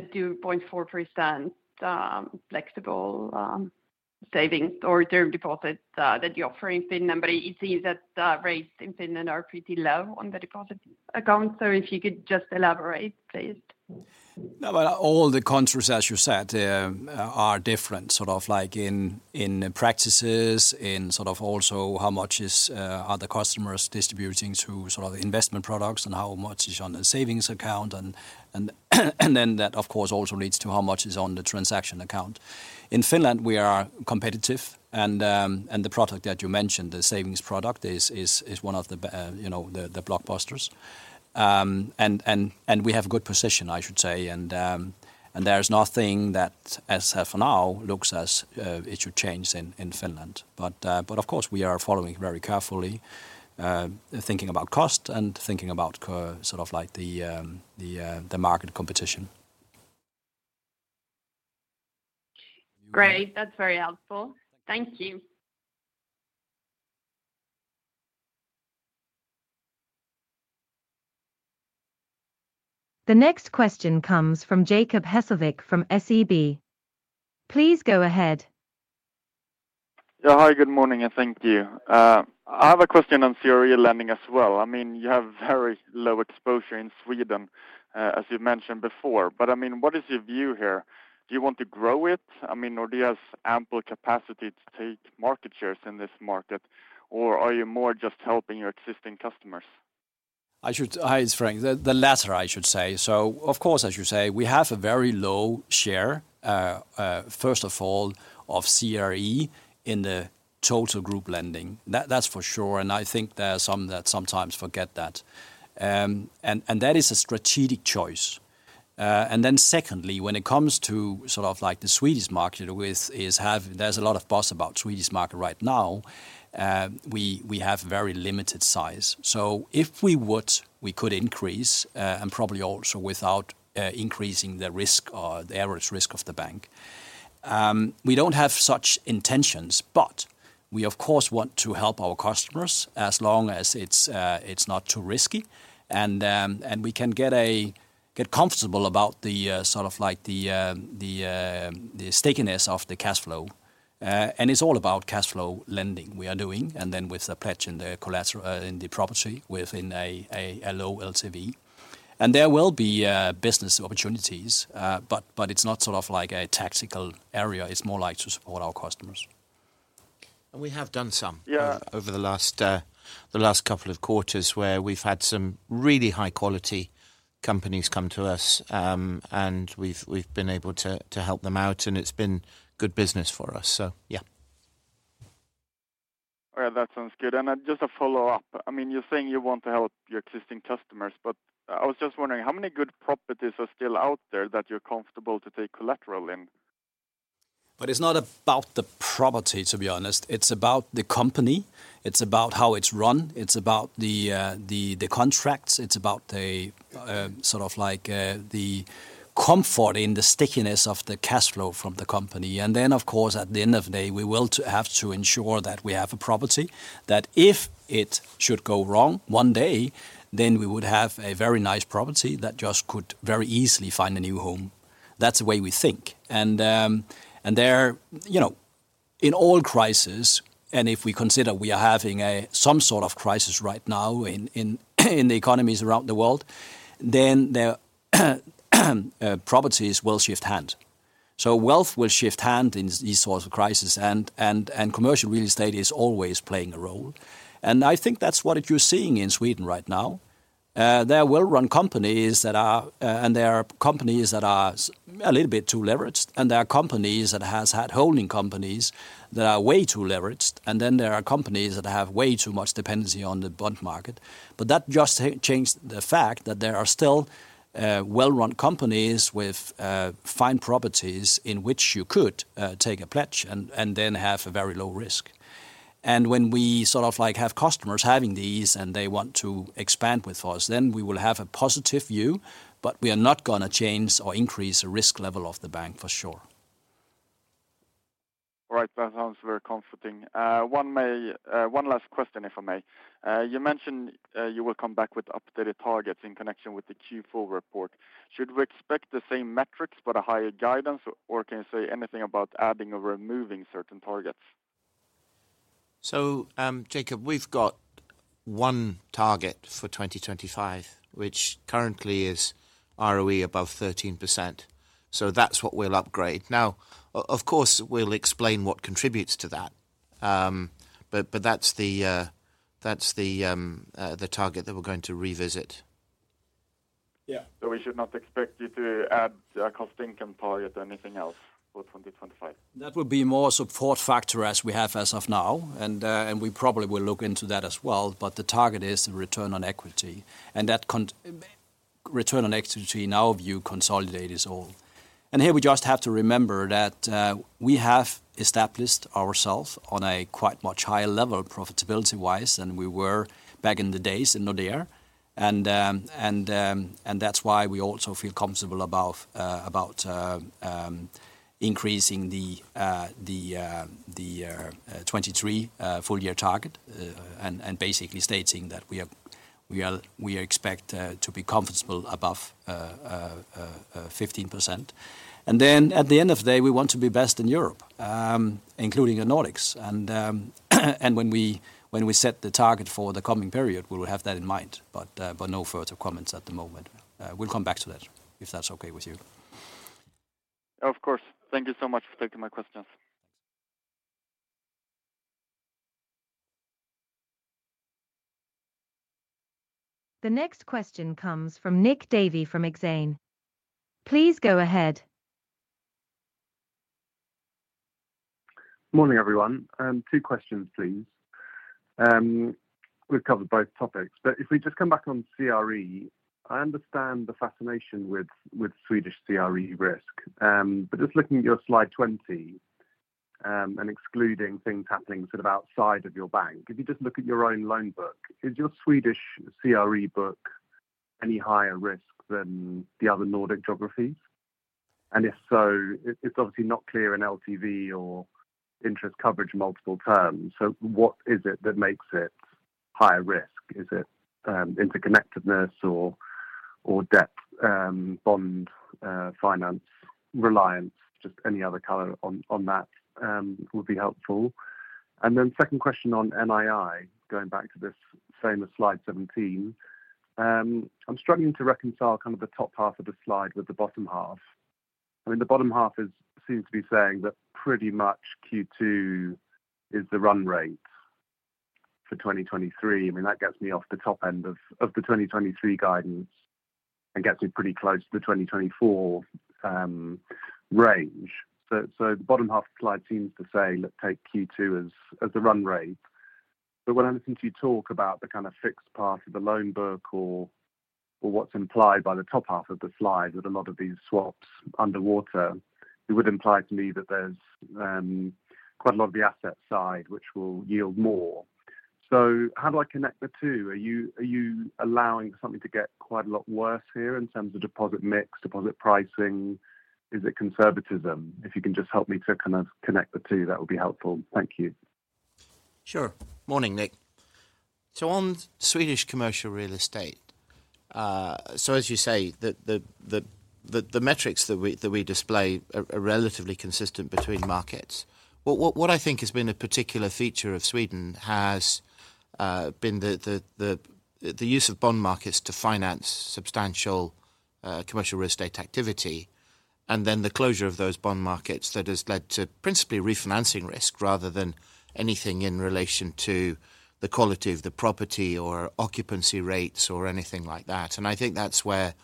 2.4%, flexible, savings or term deposits, that you offer in Finland, but it seems that the rates in Finland are pretty low on the deposit accounts. If you could just elaborate, please. All the countries, as you said, are different, like in practices, also how much are the customers distributing to investment products and how much is on the savings account. That, of course, also leads to how much is on the transaction account. In Finland, we are competitive and the product that you mentioned, the savings product, is one of the, you know, the blockbusters. We have a good position, I should say. There's nothing that as of for now, looks as it should change in Finland. Of course, we are following very carefully, thinking about cost and thinking about the market competition. Great. That's very helpful. Thank you. The next question comes from Jacob Hesslevik from SEB. Please go ahead. Yeah. Hi, good morning. Thank you. I have a question on CRE lending as well. I mean, you have very low exposure in Sweden, as you've mentioned before, but, I mean, what is your view here? Do you want to grow it? I mean, Nordea has ample capacity to take market shares in this market, or are you more just helping your existing customers? It's Frank. The latter, I should say. Of course, as you say, we have a very low share, first of all, of CRE in the total group lending. That's for sure, and I think there are some that sometimes forget that. That is a strategic choice. Then secondly, when it comes to sort of like the Swedish market, there's a lot of buzz about Swedish market right now, we have very limited size. If we would, we could increase, and probably also without increasing the risk or the average risk of the bank. We don't have such intentions, but we, of course, want to help our customers as long as it's not too risky, and we can get a... get comfortable about the sort of like the stickiness of the cash flow. It's all about cash flow lending we are doing, and then with the pledge and the collateral in the property within a low LTV. There will be business opportunities, but it's not sort of like a tactical area, it's more like to support our customers. We have done. Yeah... over the last, the last two quarters, where we've had some really high-quality companies come to us, and we've been able to help them out, and it's been good business for us. Yeah. All right. That sounds good. Just a follow-up. I mean, you're saying you want to help your existing customers, but I was just wondering, how many good properties are still out there that you're comfortable to take collateral in? It's not about the property, to be honest. It's about the company. It's about how it's run. It's about the contracts. It's about sort of like the comfort in the stickiness of the cash flow from the company. Of course, at the end of the day, we will have to ensure that we have a property, that if it should go wrong one day, then we would have a very nice property that just could very easily find a new home. That's the way we think. There, you know, in all crises, and if we consider we are having some sort of crisis right now in the economies around the world, then the properties will shift hand. Wealth will shift hand in these sorts of crises, and commercial real estate is always playing a role. I think that's what you're seeing in Sweden right now. There are well-run companies that are, and there are companies that are a little bit too leveraged, and there are companies that has had holding companies that are way too leveraged, and then there are companies that have way too much dependency on the bond market. That just changed the fact that there are still well-run companies with fine properties, in which you could take a pledge and then have a very low risk. When we sort of like have customers having these, and they want to expand with us, then we will have a positive view, but we are not gonna change or increase the risk level of the bank, for sure. All right. That sounds very comforting. One may, one last question, if I may. You mentioned, you will come back with updated targets in connection with the Q4 report. Should we expect the same metrics but a higher guidance, or can you say anything about adding or removing certain targets? Jacob, we've got one target for 2025, which currently is ROE above 13%, so that's what we'll upgrade. Of course, we'll explain what contributes to that, but that's the target that we're going to revisit.... Yeah, we should not expect you to add a cost income target or anything else for 2025? That will be more support factor as we have as of now, and we probably will look into that as well, but the target is the return on equity, and that return on equity, in our view, consolidate is all. Here, we just have to remember that we have established ourself on a quite much higher level, profitability-wise, than we were back in the days in Nordea. That's why we also feel comfortable about about increasing the the the the 23 full year target and basically stating that we expect to be comfortable above 15%. At the end of the day, we want to be best in Europe, including the Nordics. When we set the target for the coming period, we will have that in mind, but no further comments at the moment. We'll come back to that, if that's okay with you. Of course. Thank you so much for taking my questions. The next question comes from Nick Davey from Exane. Please go ahead. Morning, everyone. Two questions, please. We've covered both topics, but if we just come back on CRE, I understand the fascination with Swedish CRE risk. But just looking at your slide 20, and excluding things happening sort of outside of your bank, if you just look at your own loan book, is your Swedish CRE book any higher risk than the other Nordic geographies? If so, it's obviously not clear in LTV or interest coverage, multiple terms, so what is it that makes it higher risk? Is it interconnectedness or debt bond finance reliance? Just any other color on that would be helpful. Second question on NII, going back to this famous slide 17. I'm struggling to reconcile kind of the top half of the slide with the bottom half. I mean, the bottom half is seems to be saying that pretty much Q2 is the run rate for 2023. I mean, that gets me off the top end of the 2023 guidance and gets me pretty close to the 2024 range. The bottom half of the slide seems to say, let's take Q2 as the run rate. When I listen to you talk about the kind of fixed part of the loan book or what's implied by the top half of the slide, with a lot of these swaps underwater, it would imply to me that there's quite a lot of the asset side which will yield more. How do I connect the two? Are you allowing something to get quite a lot worse here in terms of deposit mix, deposit pricing? Is it conservatism? If you can just help me to kind of connect the two, that would be helpful. Thank you. Sure. Morning, Nick. On Swedish commercial real estate, as you say, the metrics that we display are relatively consistent between markets. What I think has been a particular feature of Sweden has been the use of bond markets to finance substantial commercial real estate activity, and then the closure of those bond markets that has led to principally refinancing risk, rather than anything in relation to the quality of the property or occupancy rates or anything like that. I think that's where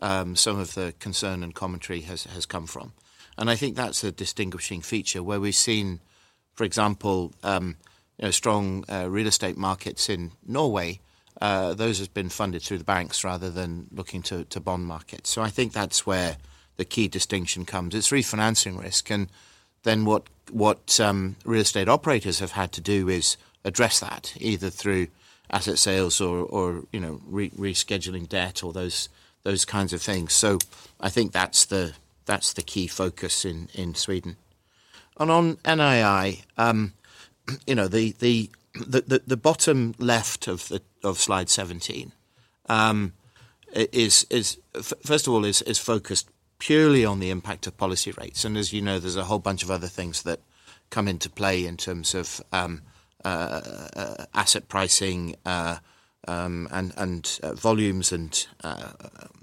some of the concern and commentary has come from. I think that's a distinguishing feature where we've seen, for example, you know, strong real estate markets in Norway, those have been funded through the banks rather than looking to bond markets. I think that's where the key distinction comes. It's refinancing risk, and then, what real estate operators have had to do is address that either through asset sales or, you know, rescheduling debt or those kinds of things. I think that's the key focus in Sweden. On NII, you know, the bottom left of the of slide 17, is first of all, is focused purely on the impact of policy rates. As you know, there's a whole bunch of other things that come into play in terms of asset pricing, and volumes, and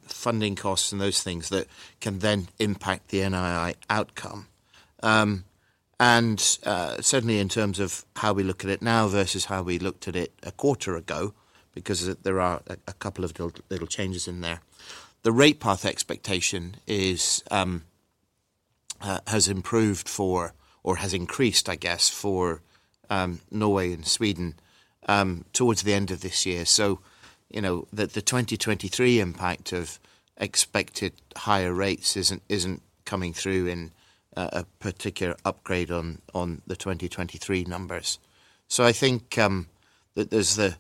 funding costs, and those things that can then impact the NII outcome. Certainly in terms of how we look at it now versus how we looked at it a quarter ago, because there are a couple of little changes in there. The rate path expectation is has improved for or has increased, I guess, for Norway and Sweden towards the end of this year. You know, the 2023 impact of expected higher rates isn't coming through in a particular upgrade on the 2023 numbers. I think that there's the...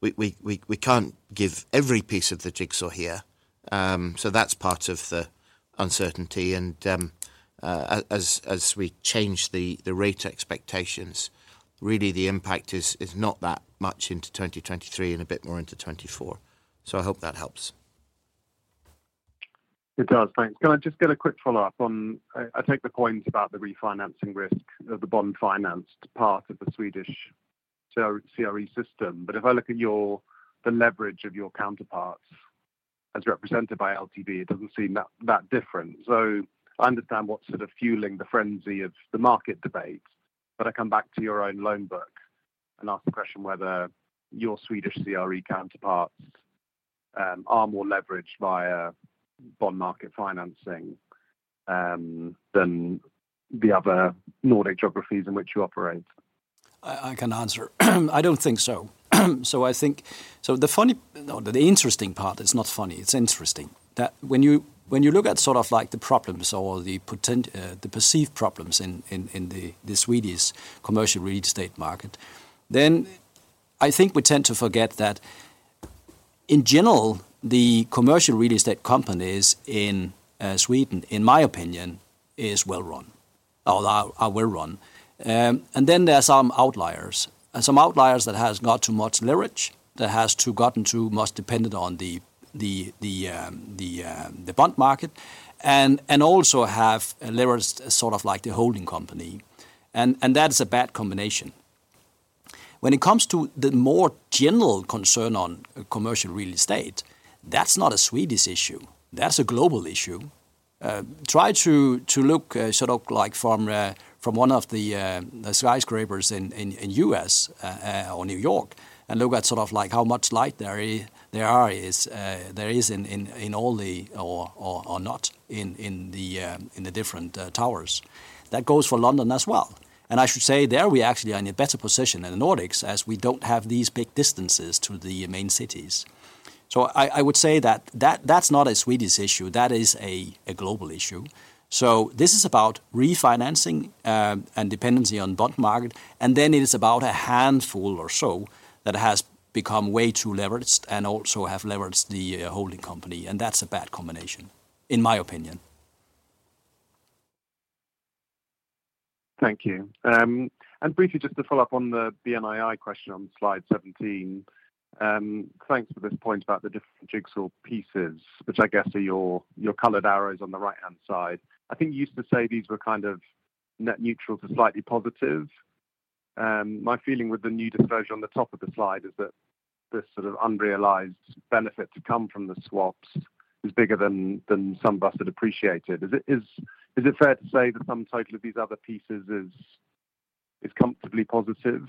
We can't give every piece of the jigsaw here, so that's part of the uncertainty, and as we change the rate expectations, really, the impact is not that much into 2023 and a bit more into 2024. I hope that helps. It does. Thanks. Can I just get a quick follow-up on? I take the point about the refinancing risk of the bond-financed part of the Swedish CRE system, if I look at your the leverage of your counterparts as represented by LTV, it doesn't seem that different. I understand what's sort of fueling the frenzy of the market debate, but I come back to your own loan book and ask the question whether your Swedish CRE counterparts are more leveraged via bond market financing than the other Nordic geographies in which you operate? I can answer. I don't think so. The interesting part, it's not funny, it's interesting, that when you look at sort of like the problems or the perceived problems in the Swedish commercial real estate market, I think we tend to forget that in general, the commercial real estate companies in Sweden, in my opinion, is well-run. Or are well-run. There are some outliers, and some outliers that has got too much leverage, that has gotten too much dependent on the bond market. Also have leveraged sort of like the holding company, and that is a bad combination. When it comes to the more general concern on commercial real estate, that's not a Swedish issue, that's a global issue. Try to look sort of like from one of the skyscrapers in U.S., or New York, and look at sort of like how much light there is in all the or not in the different towers. That goes for London as well. I should say, there we actually are in a better position than the Nordics, as we don't have these big distances to the main cities. I would say that's not a Swedish issue, that is a global issue. this is about refinancing, and dependency on bond market, and then it is about a handful or so that has become way too leveraged and also have leveraged the holding company, and that's a bad combination, in my opinion. Thank you. Briefly, just to follow up on the NII question on slide 17. Thanks for this point about the different jigsaw pieces, which I guess are your colored arrows on the right-hand side. I think you used to say these were kind of net neutral to slightly positive. My feeling with the new disclosure on the top of the slide is that this sort of unrealized benefit to come from the swaps is bigger than some of us had appreciated. Is it fair to say that the sum total of these other pieces is comfortably positive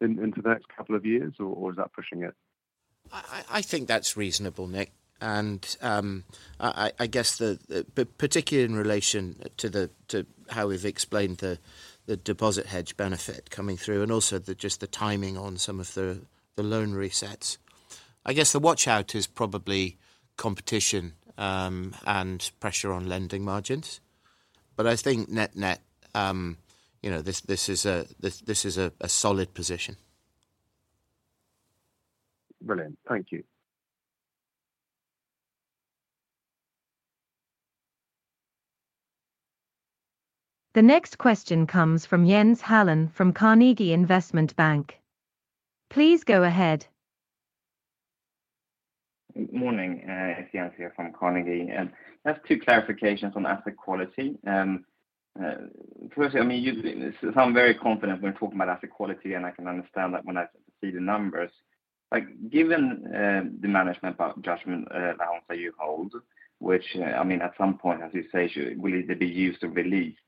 in the next couple of years, or is that pushing it? I think that's reasonable, Nick. I guess particularly in relation to how we've explained the deposit hedge benefit coming through, and also just the timing on some of the loan resets. I guess the watch-out is probably competition, and pressure on lending margins. I think net-net, you know, this is a solid position. Brilliant. Thank you. The next question comes from Jens Hallén from Carnegie Investment Bank. Please go ahead. Good morning, it's Jens here from Carnegie. I have two clarifications on asset quality. Firstly, I mean, you sound very confident when talking about asset quality, and I can understand that when I see the numbers. Like, given, the management judgement buffer that you hold, which, I mean, at some point, as you say, will either be used or released,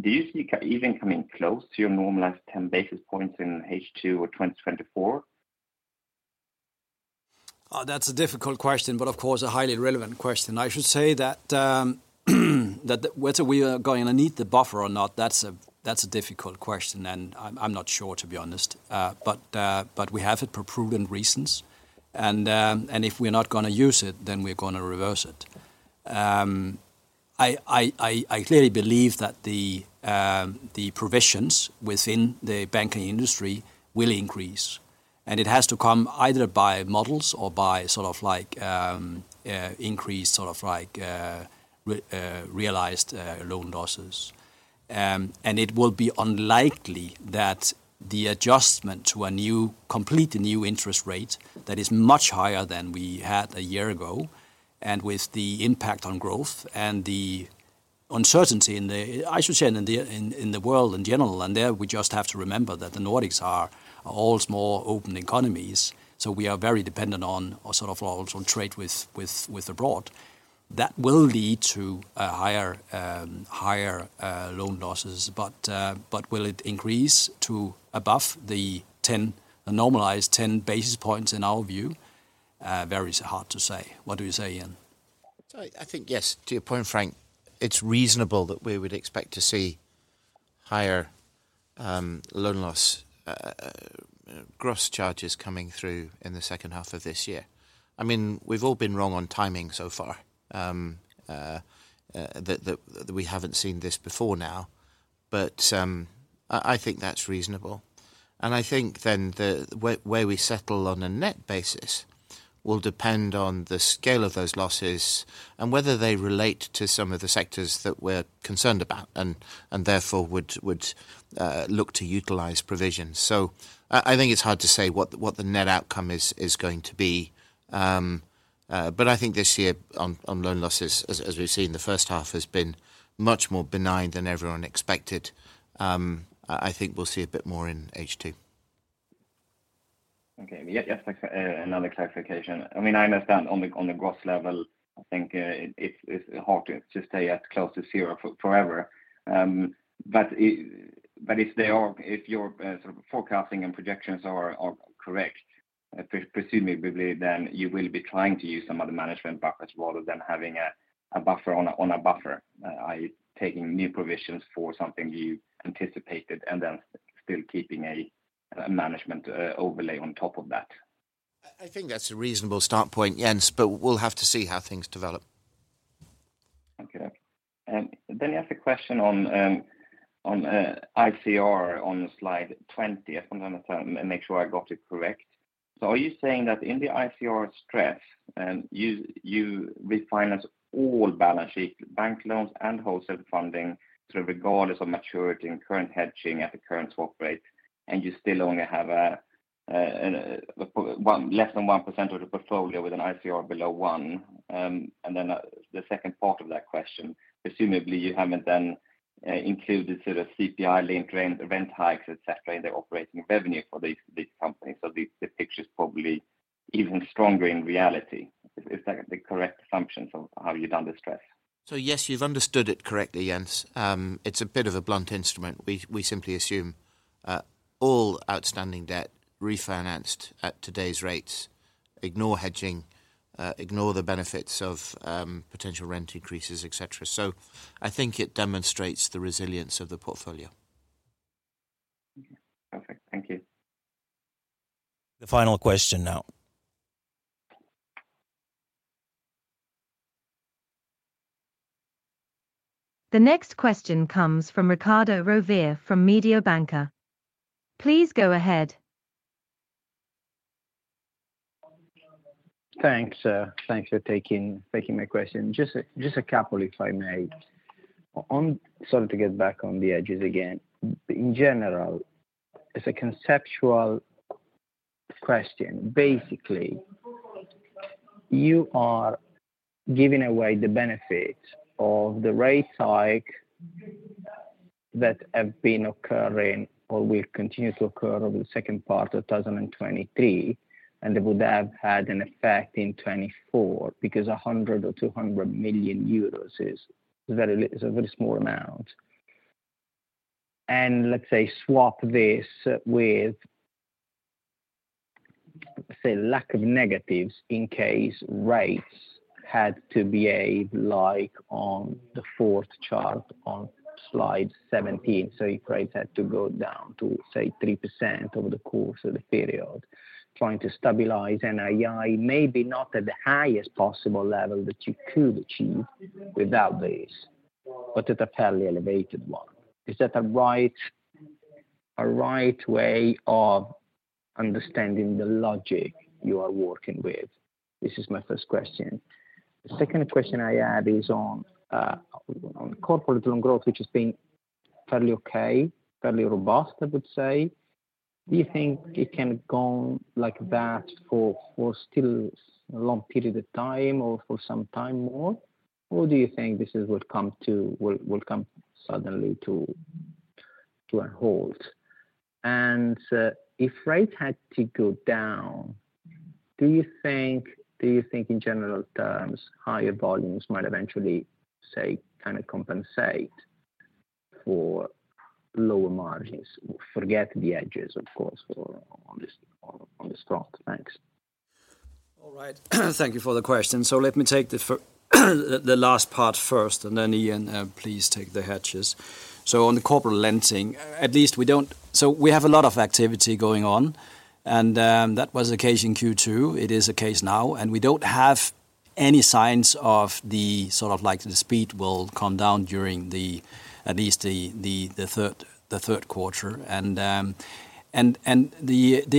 do you see even coming close to your normalized 10 basis points in H2 or 2024? That's a difficult question, but of course, a highly relevant question. I should say that whether we are going to need the buffer or not, that's a difficult question, and I'm not sure, to be honest. We have it for prudent reasons, and if we're not gonna use it, then we're gonna reverse it. I clearly believe that the provisions within the banking industry will increase, and it has to come either by models or by sort of like increased, sort of like realized loan losses. It will be unlikely that the adjustment to a new, completely new interest rate that is much higher than we had a year ago, and with the impact on growth and the uncertainty in the... I should say, in the world in general. There, we just have to remember that the Nordics are all small open economies. We are very dependent on, or sort of also on trade with abroad. That will lead to a higher loan losses. Will it increase to above the 10, the normalized 10 basis points in our view? Very hard to say. What do you say, Ian? I think yes. To your point, Frank, it's reasonable that we would expect to see higher loan loss gross charges coming through in the second half of this year. I mean, we've all been wrong on timing so far that we haven't seen this before now, but I think that's reasonable. I think then the where we settle on a net basis will depend on the scale of those losses and whether they relate to some of the sectors that we're concerned about, and therefore would look to utilize provisions. I think it's hard to say what the net outcome is going to be. I think this year on loan losses, as we've seen, the first half has been much more benign than everyone expected. I think we'll see a bit more in H2. Okay. Yeah, just another clarification. I mean, I understand on the, on the gross level, I think, it's hard to stay at close to zero for forever. If they are, if your sort of forecasting and projections are correct, presumably then you will be trying to use some other management buffers rather than having a buffer on a, on a buffer. Are you taking new provisions for something you anticipated, and then still keeping a management overlay on top of that? I think that's a reasonable start point, Jens, but we'll have to see how things develop. Okay. Then I have a question on ICR on slide 20. I just want to make sure I got it correct. Are you saying that in the ICR stress, you refinance all balance sheet, bank loans, and wholesale funding through regardless of maturity and current hedging at the current swap rate, and you still only have less than 1% of the portfolio with an ICR below one? Then the second part of that question: presumably, you haven't then included sort of CPI-linked rent hikes, et cetera, in the operating revenue for these companies. The picture is probably even stronger in reality. Is that the correct assumption from how you've done the stress? Yes, you've understood it correctly, Jens. It's a bit of a blunt instrument. We simply assume, all outstanding debt refinanced at today's rates, ignore hedging, ignore the benefits of, potential rent increases, et cetera. I think it demonstrates the resilience of the portfolio. Okay. Perfect. Thank you. The final question now. The next question comes from Riccardo Rovere from Mediobanca. Please go ahead. Thanks, thanks for taking my question. Just a couple, if I may. Sorry to get back on the edges again. In general, as a conceptual question, basically, you are giving away the benefit of the rate hike that have been occurring or will continue to occur over the second part of 2023, and they would have had an effect in 2024, because 100 million or 200 million euros is a very small amount. Let's say swap this with, say, lack of negatives in case rates had to behave like on the fourth chart on slide 17. If rates had to go down to, say, 3% over the course of the period, trying to stabilize NII, maybe not at the highest possible level that you could achieve without this, but at a fairly elevated one. Is that a right way of understanding the logic you are working with? This is my first question. The second question I add is on corporate loan growth, which has been fairly okay, fairly robust, I would say. Do you think it can go on like that for still a long period of time or for some time more? Or do you think this would come to, will come suddenly to a halt? If rates had to go down, do you think in general terms, higher volumes might eventually, say, kind of compensate for lower margins? Forget the edges, of course, for on this, on the stock. Thanks. All right. Thank you for the question. Let me take the last part first, and then, Ian, please take the hedges. On the corporate lending, at least we don't... We have a lot of activity going on, and that was the case in Q2, it is the case now, and we don't have any signs of the sort of like the speed will come down during at least the third quarter. The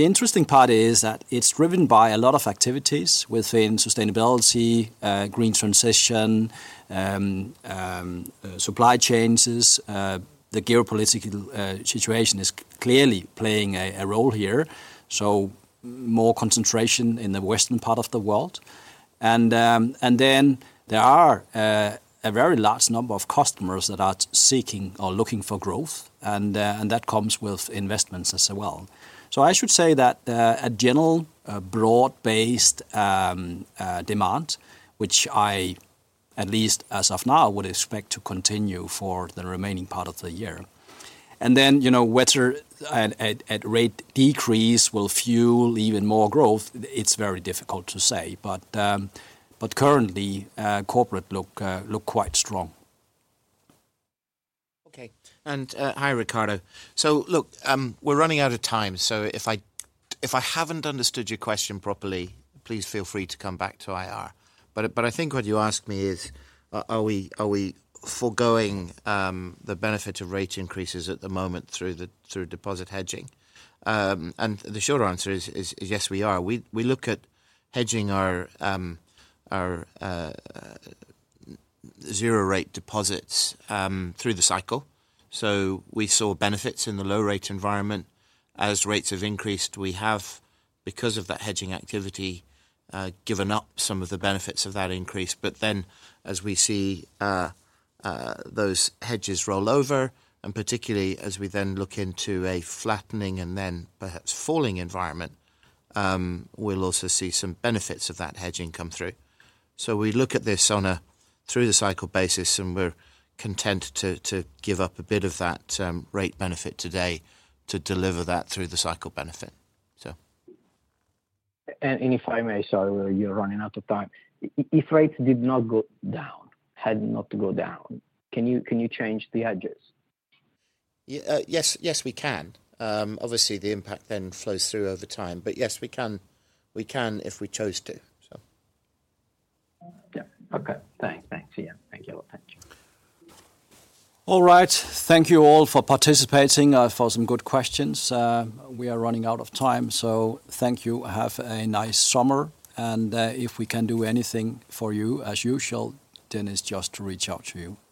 interesting part is that it's driven by a lot of activities within sustainability, green transition, supply chains. The geopolitical situation is clearly playing a role here, so more concentration in the western part of the world. Then there are a very large number of customers that are seeking or looking for growth, and that comes with investments as well. I should say that a general, broad-based demand, which I, at least as of now, would expect to continue for the remaining part of the year. You know, whether a rate decrease will fuel even more growth, it's very difficult to say. Currently, corporate look quite strong. Hi, Riccardo. We're running out of time, so if I haven't understood your question properly, please feel free to come back to IR. I think what you asked me is, are we foregoing the benefit of rate increases at the moment through deposit hedging? The short answer is, yes, we are. We look at hedging our zero rate deposits through the cycle. We saw benefits in the low rate environment. As rates have increased, we have, because of that hedging activity, given up some of the benefits of that increase. As we see, those hedges roll over, and particularly as we then look into a flattening and then perhaps falling environment, we'll also see some benefits of that hedging come through. We look at this on a through-the-cycle basis, and we're content to give up a bit of that rate benefit today to deliver that through the cycle benefit. So. If I may, sorry, you're running out of time. If rates did not go down, had not to go down, can you change the hedges? yes, we can. Obviously, the impact then flows through over time, but yes, we can. We can if we chose to. Yeah. Okay. Thanks. Thanks, Ian. Thank you a lot. Thank you. All right. Thank you all for participating, for some good questions. We are running out of time, so thank you. Have a nice summer, and if we can do anything for you, as usual, then it's just to reach out to you. Thank you.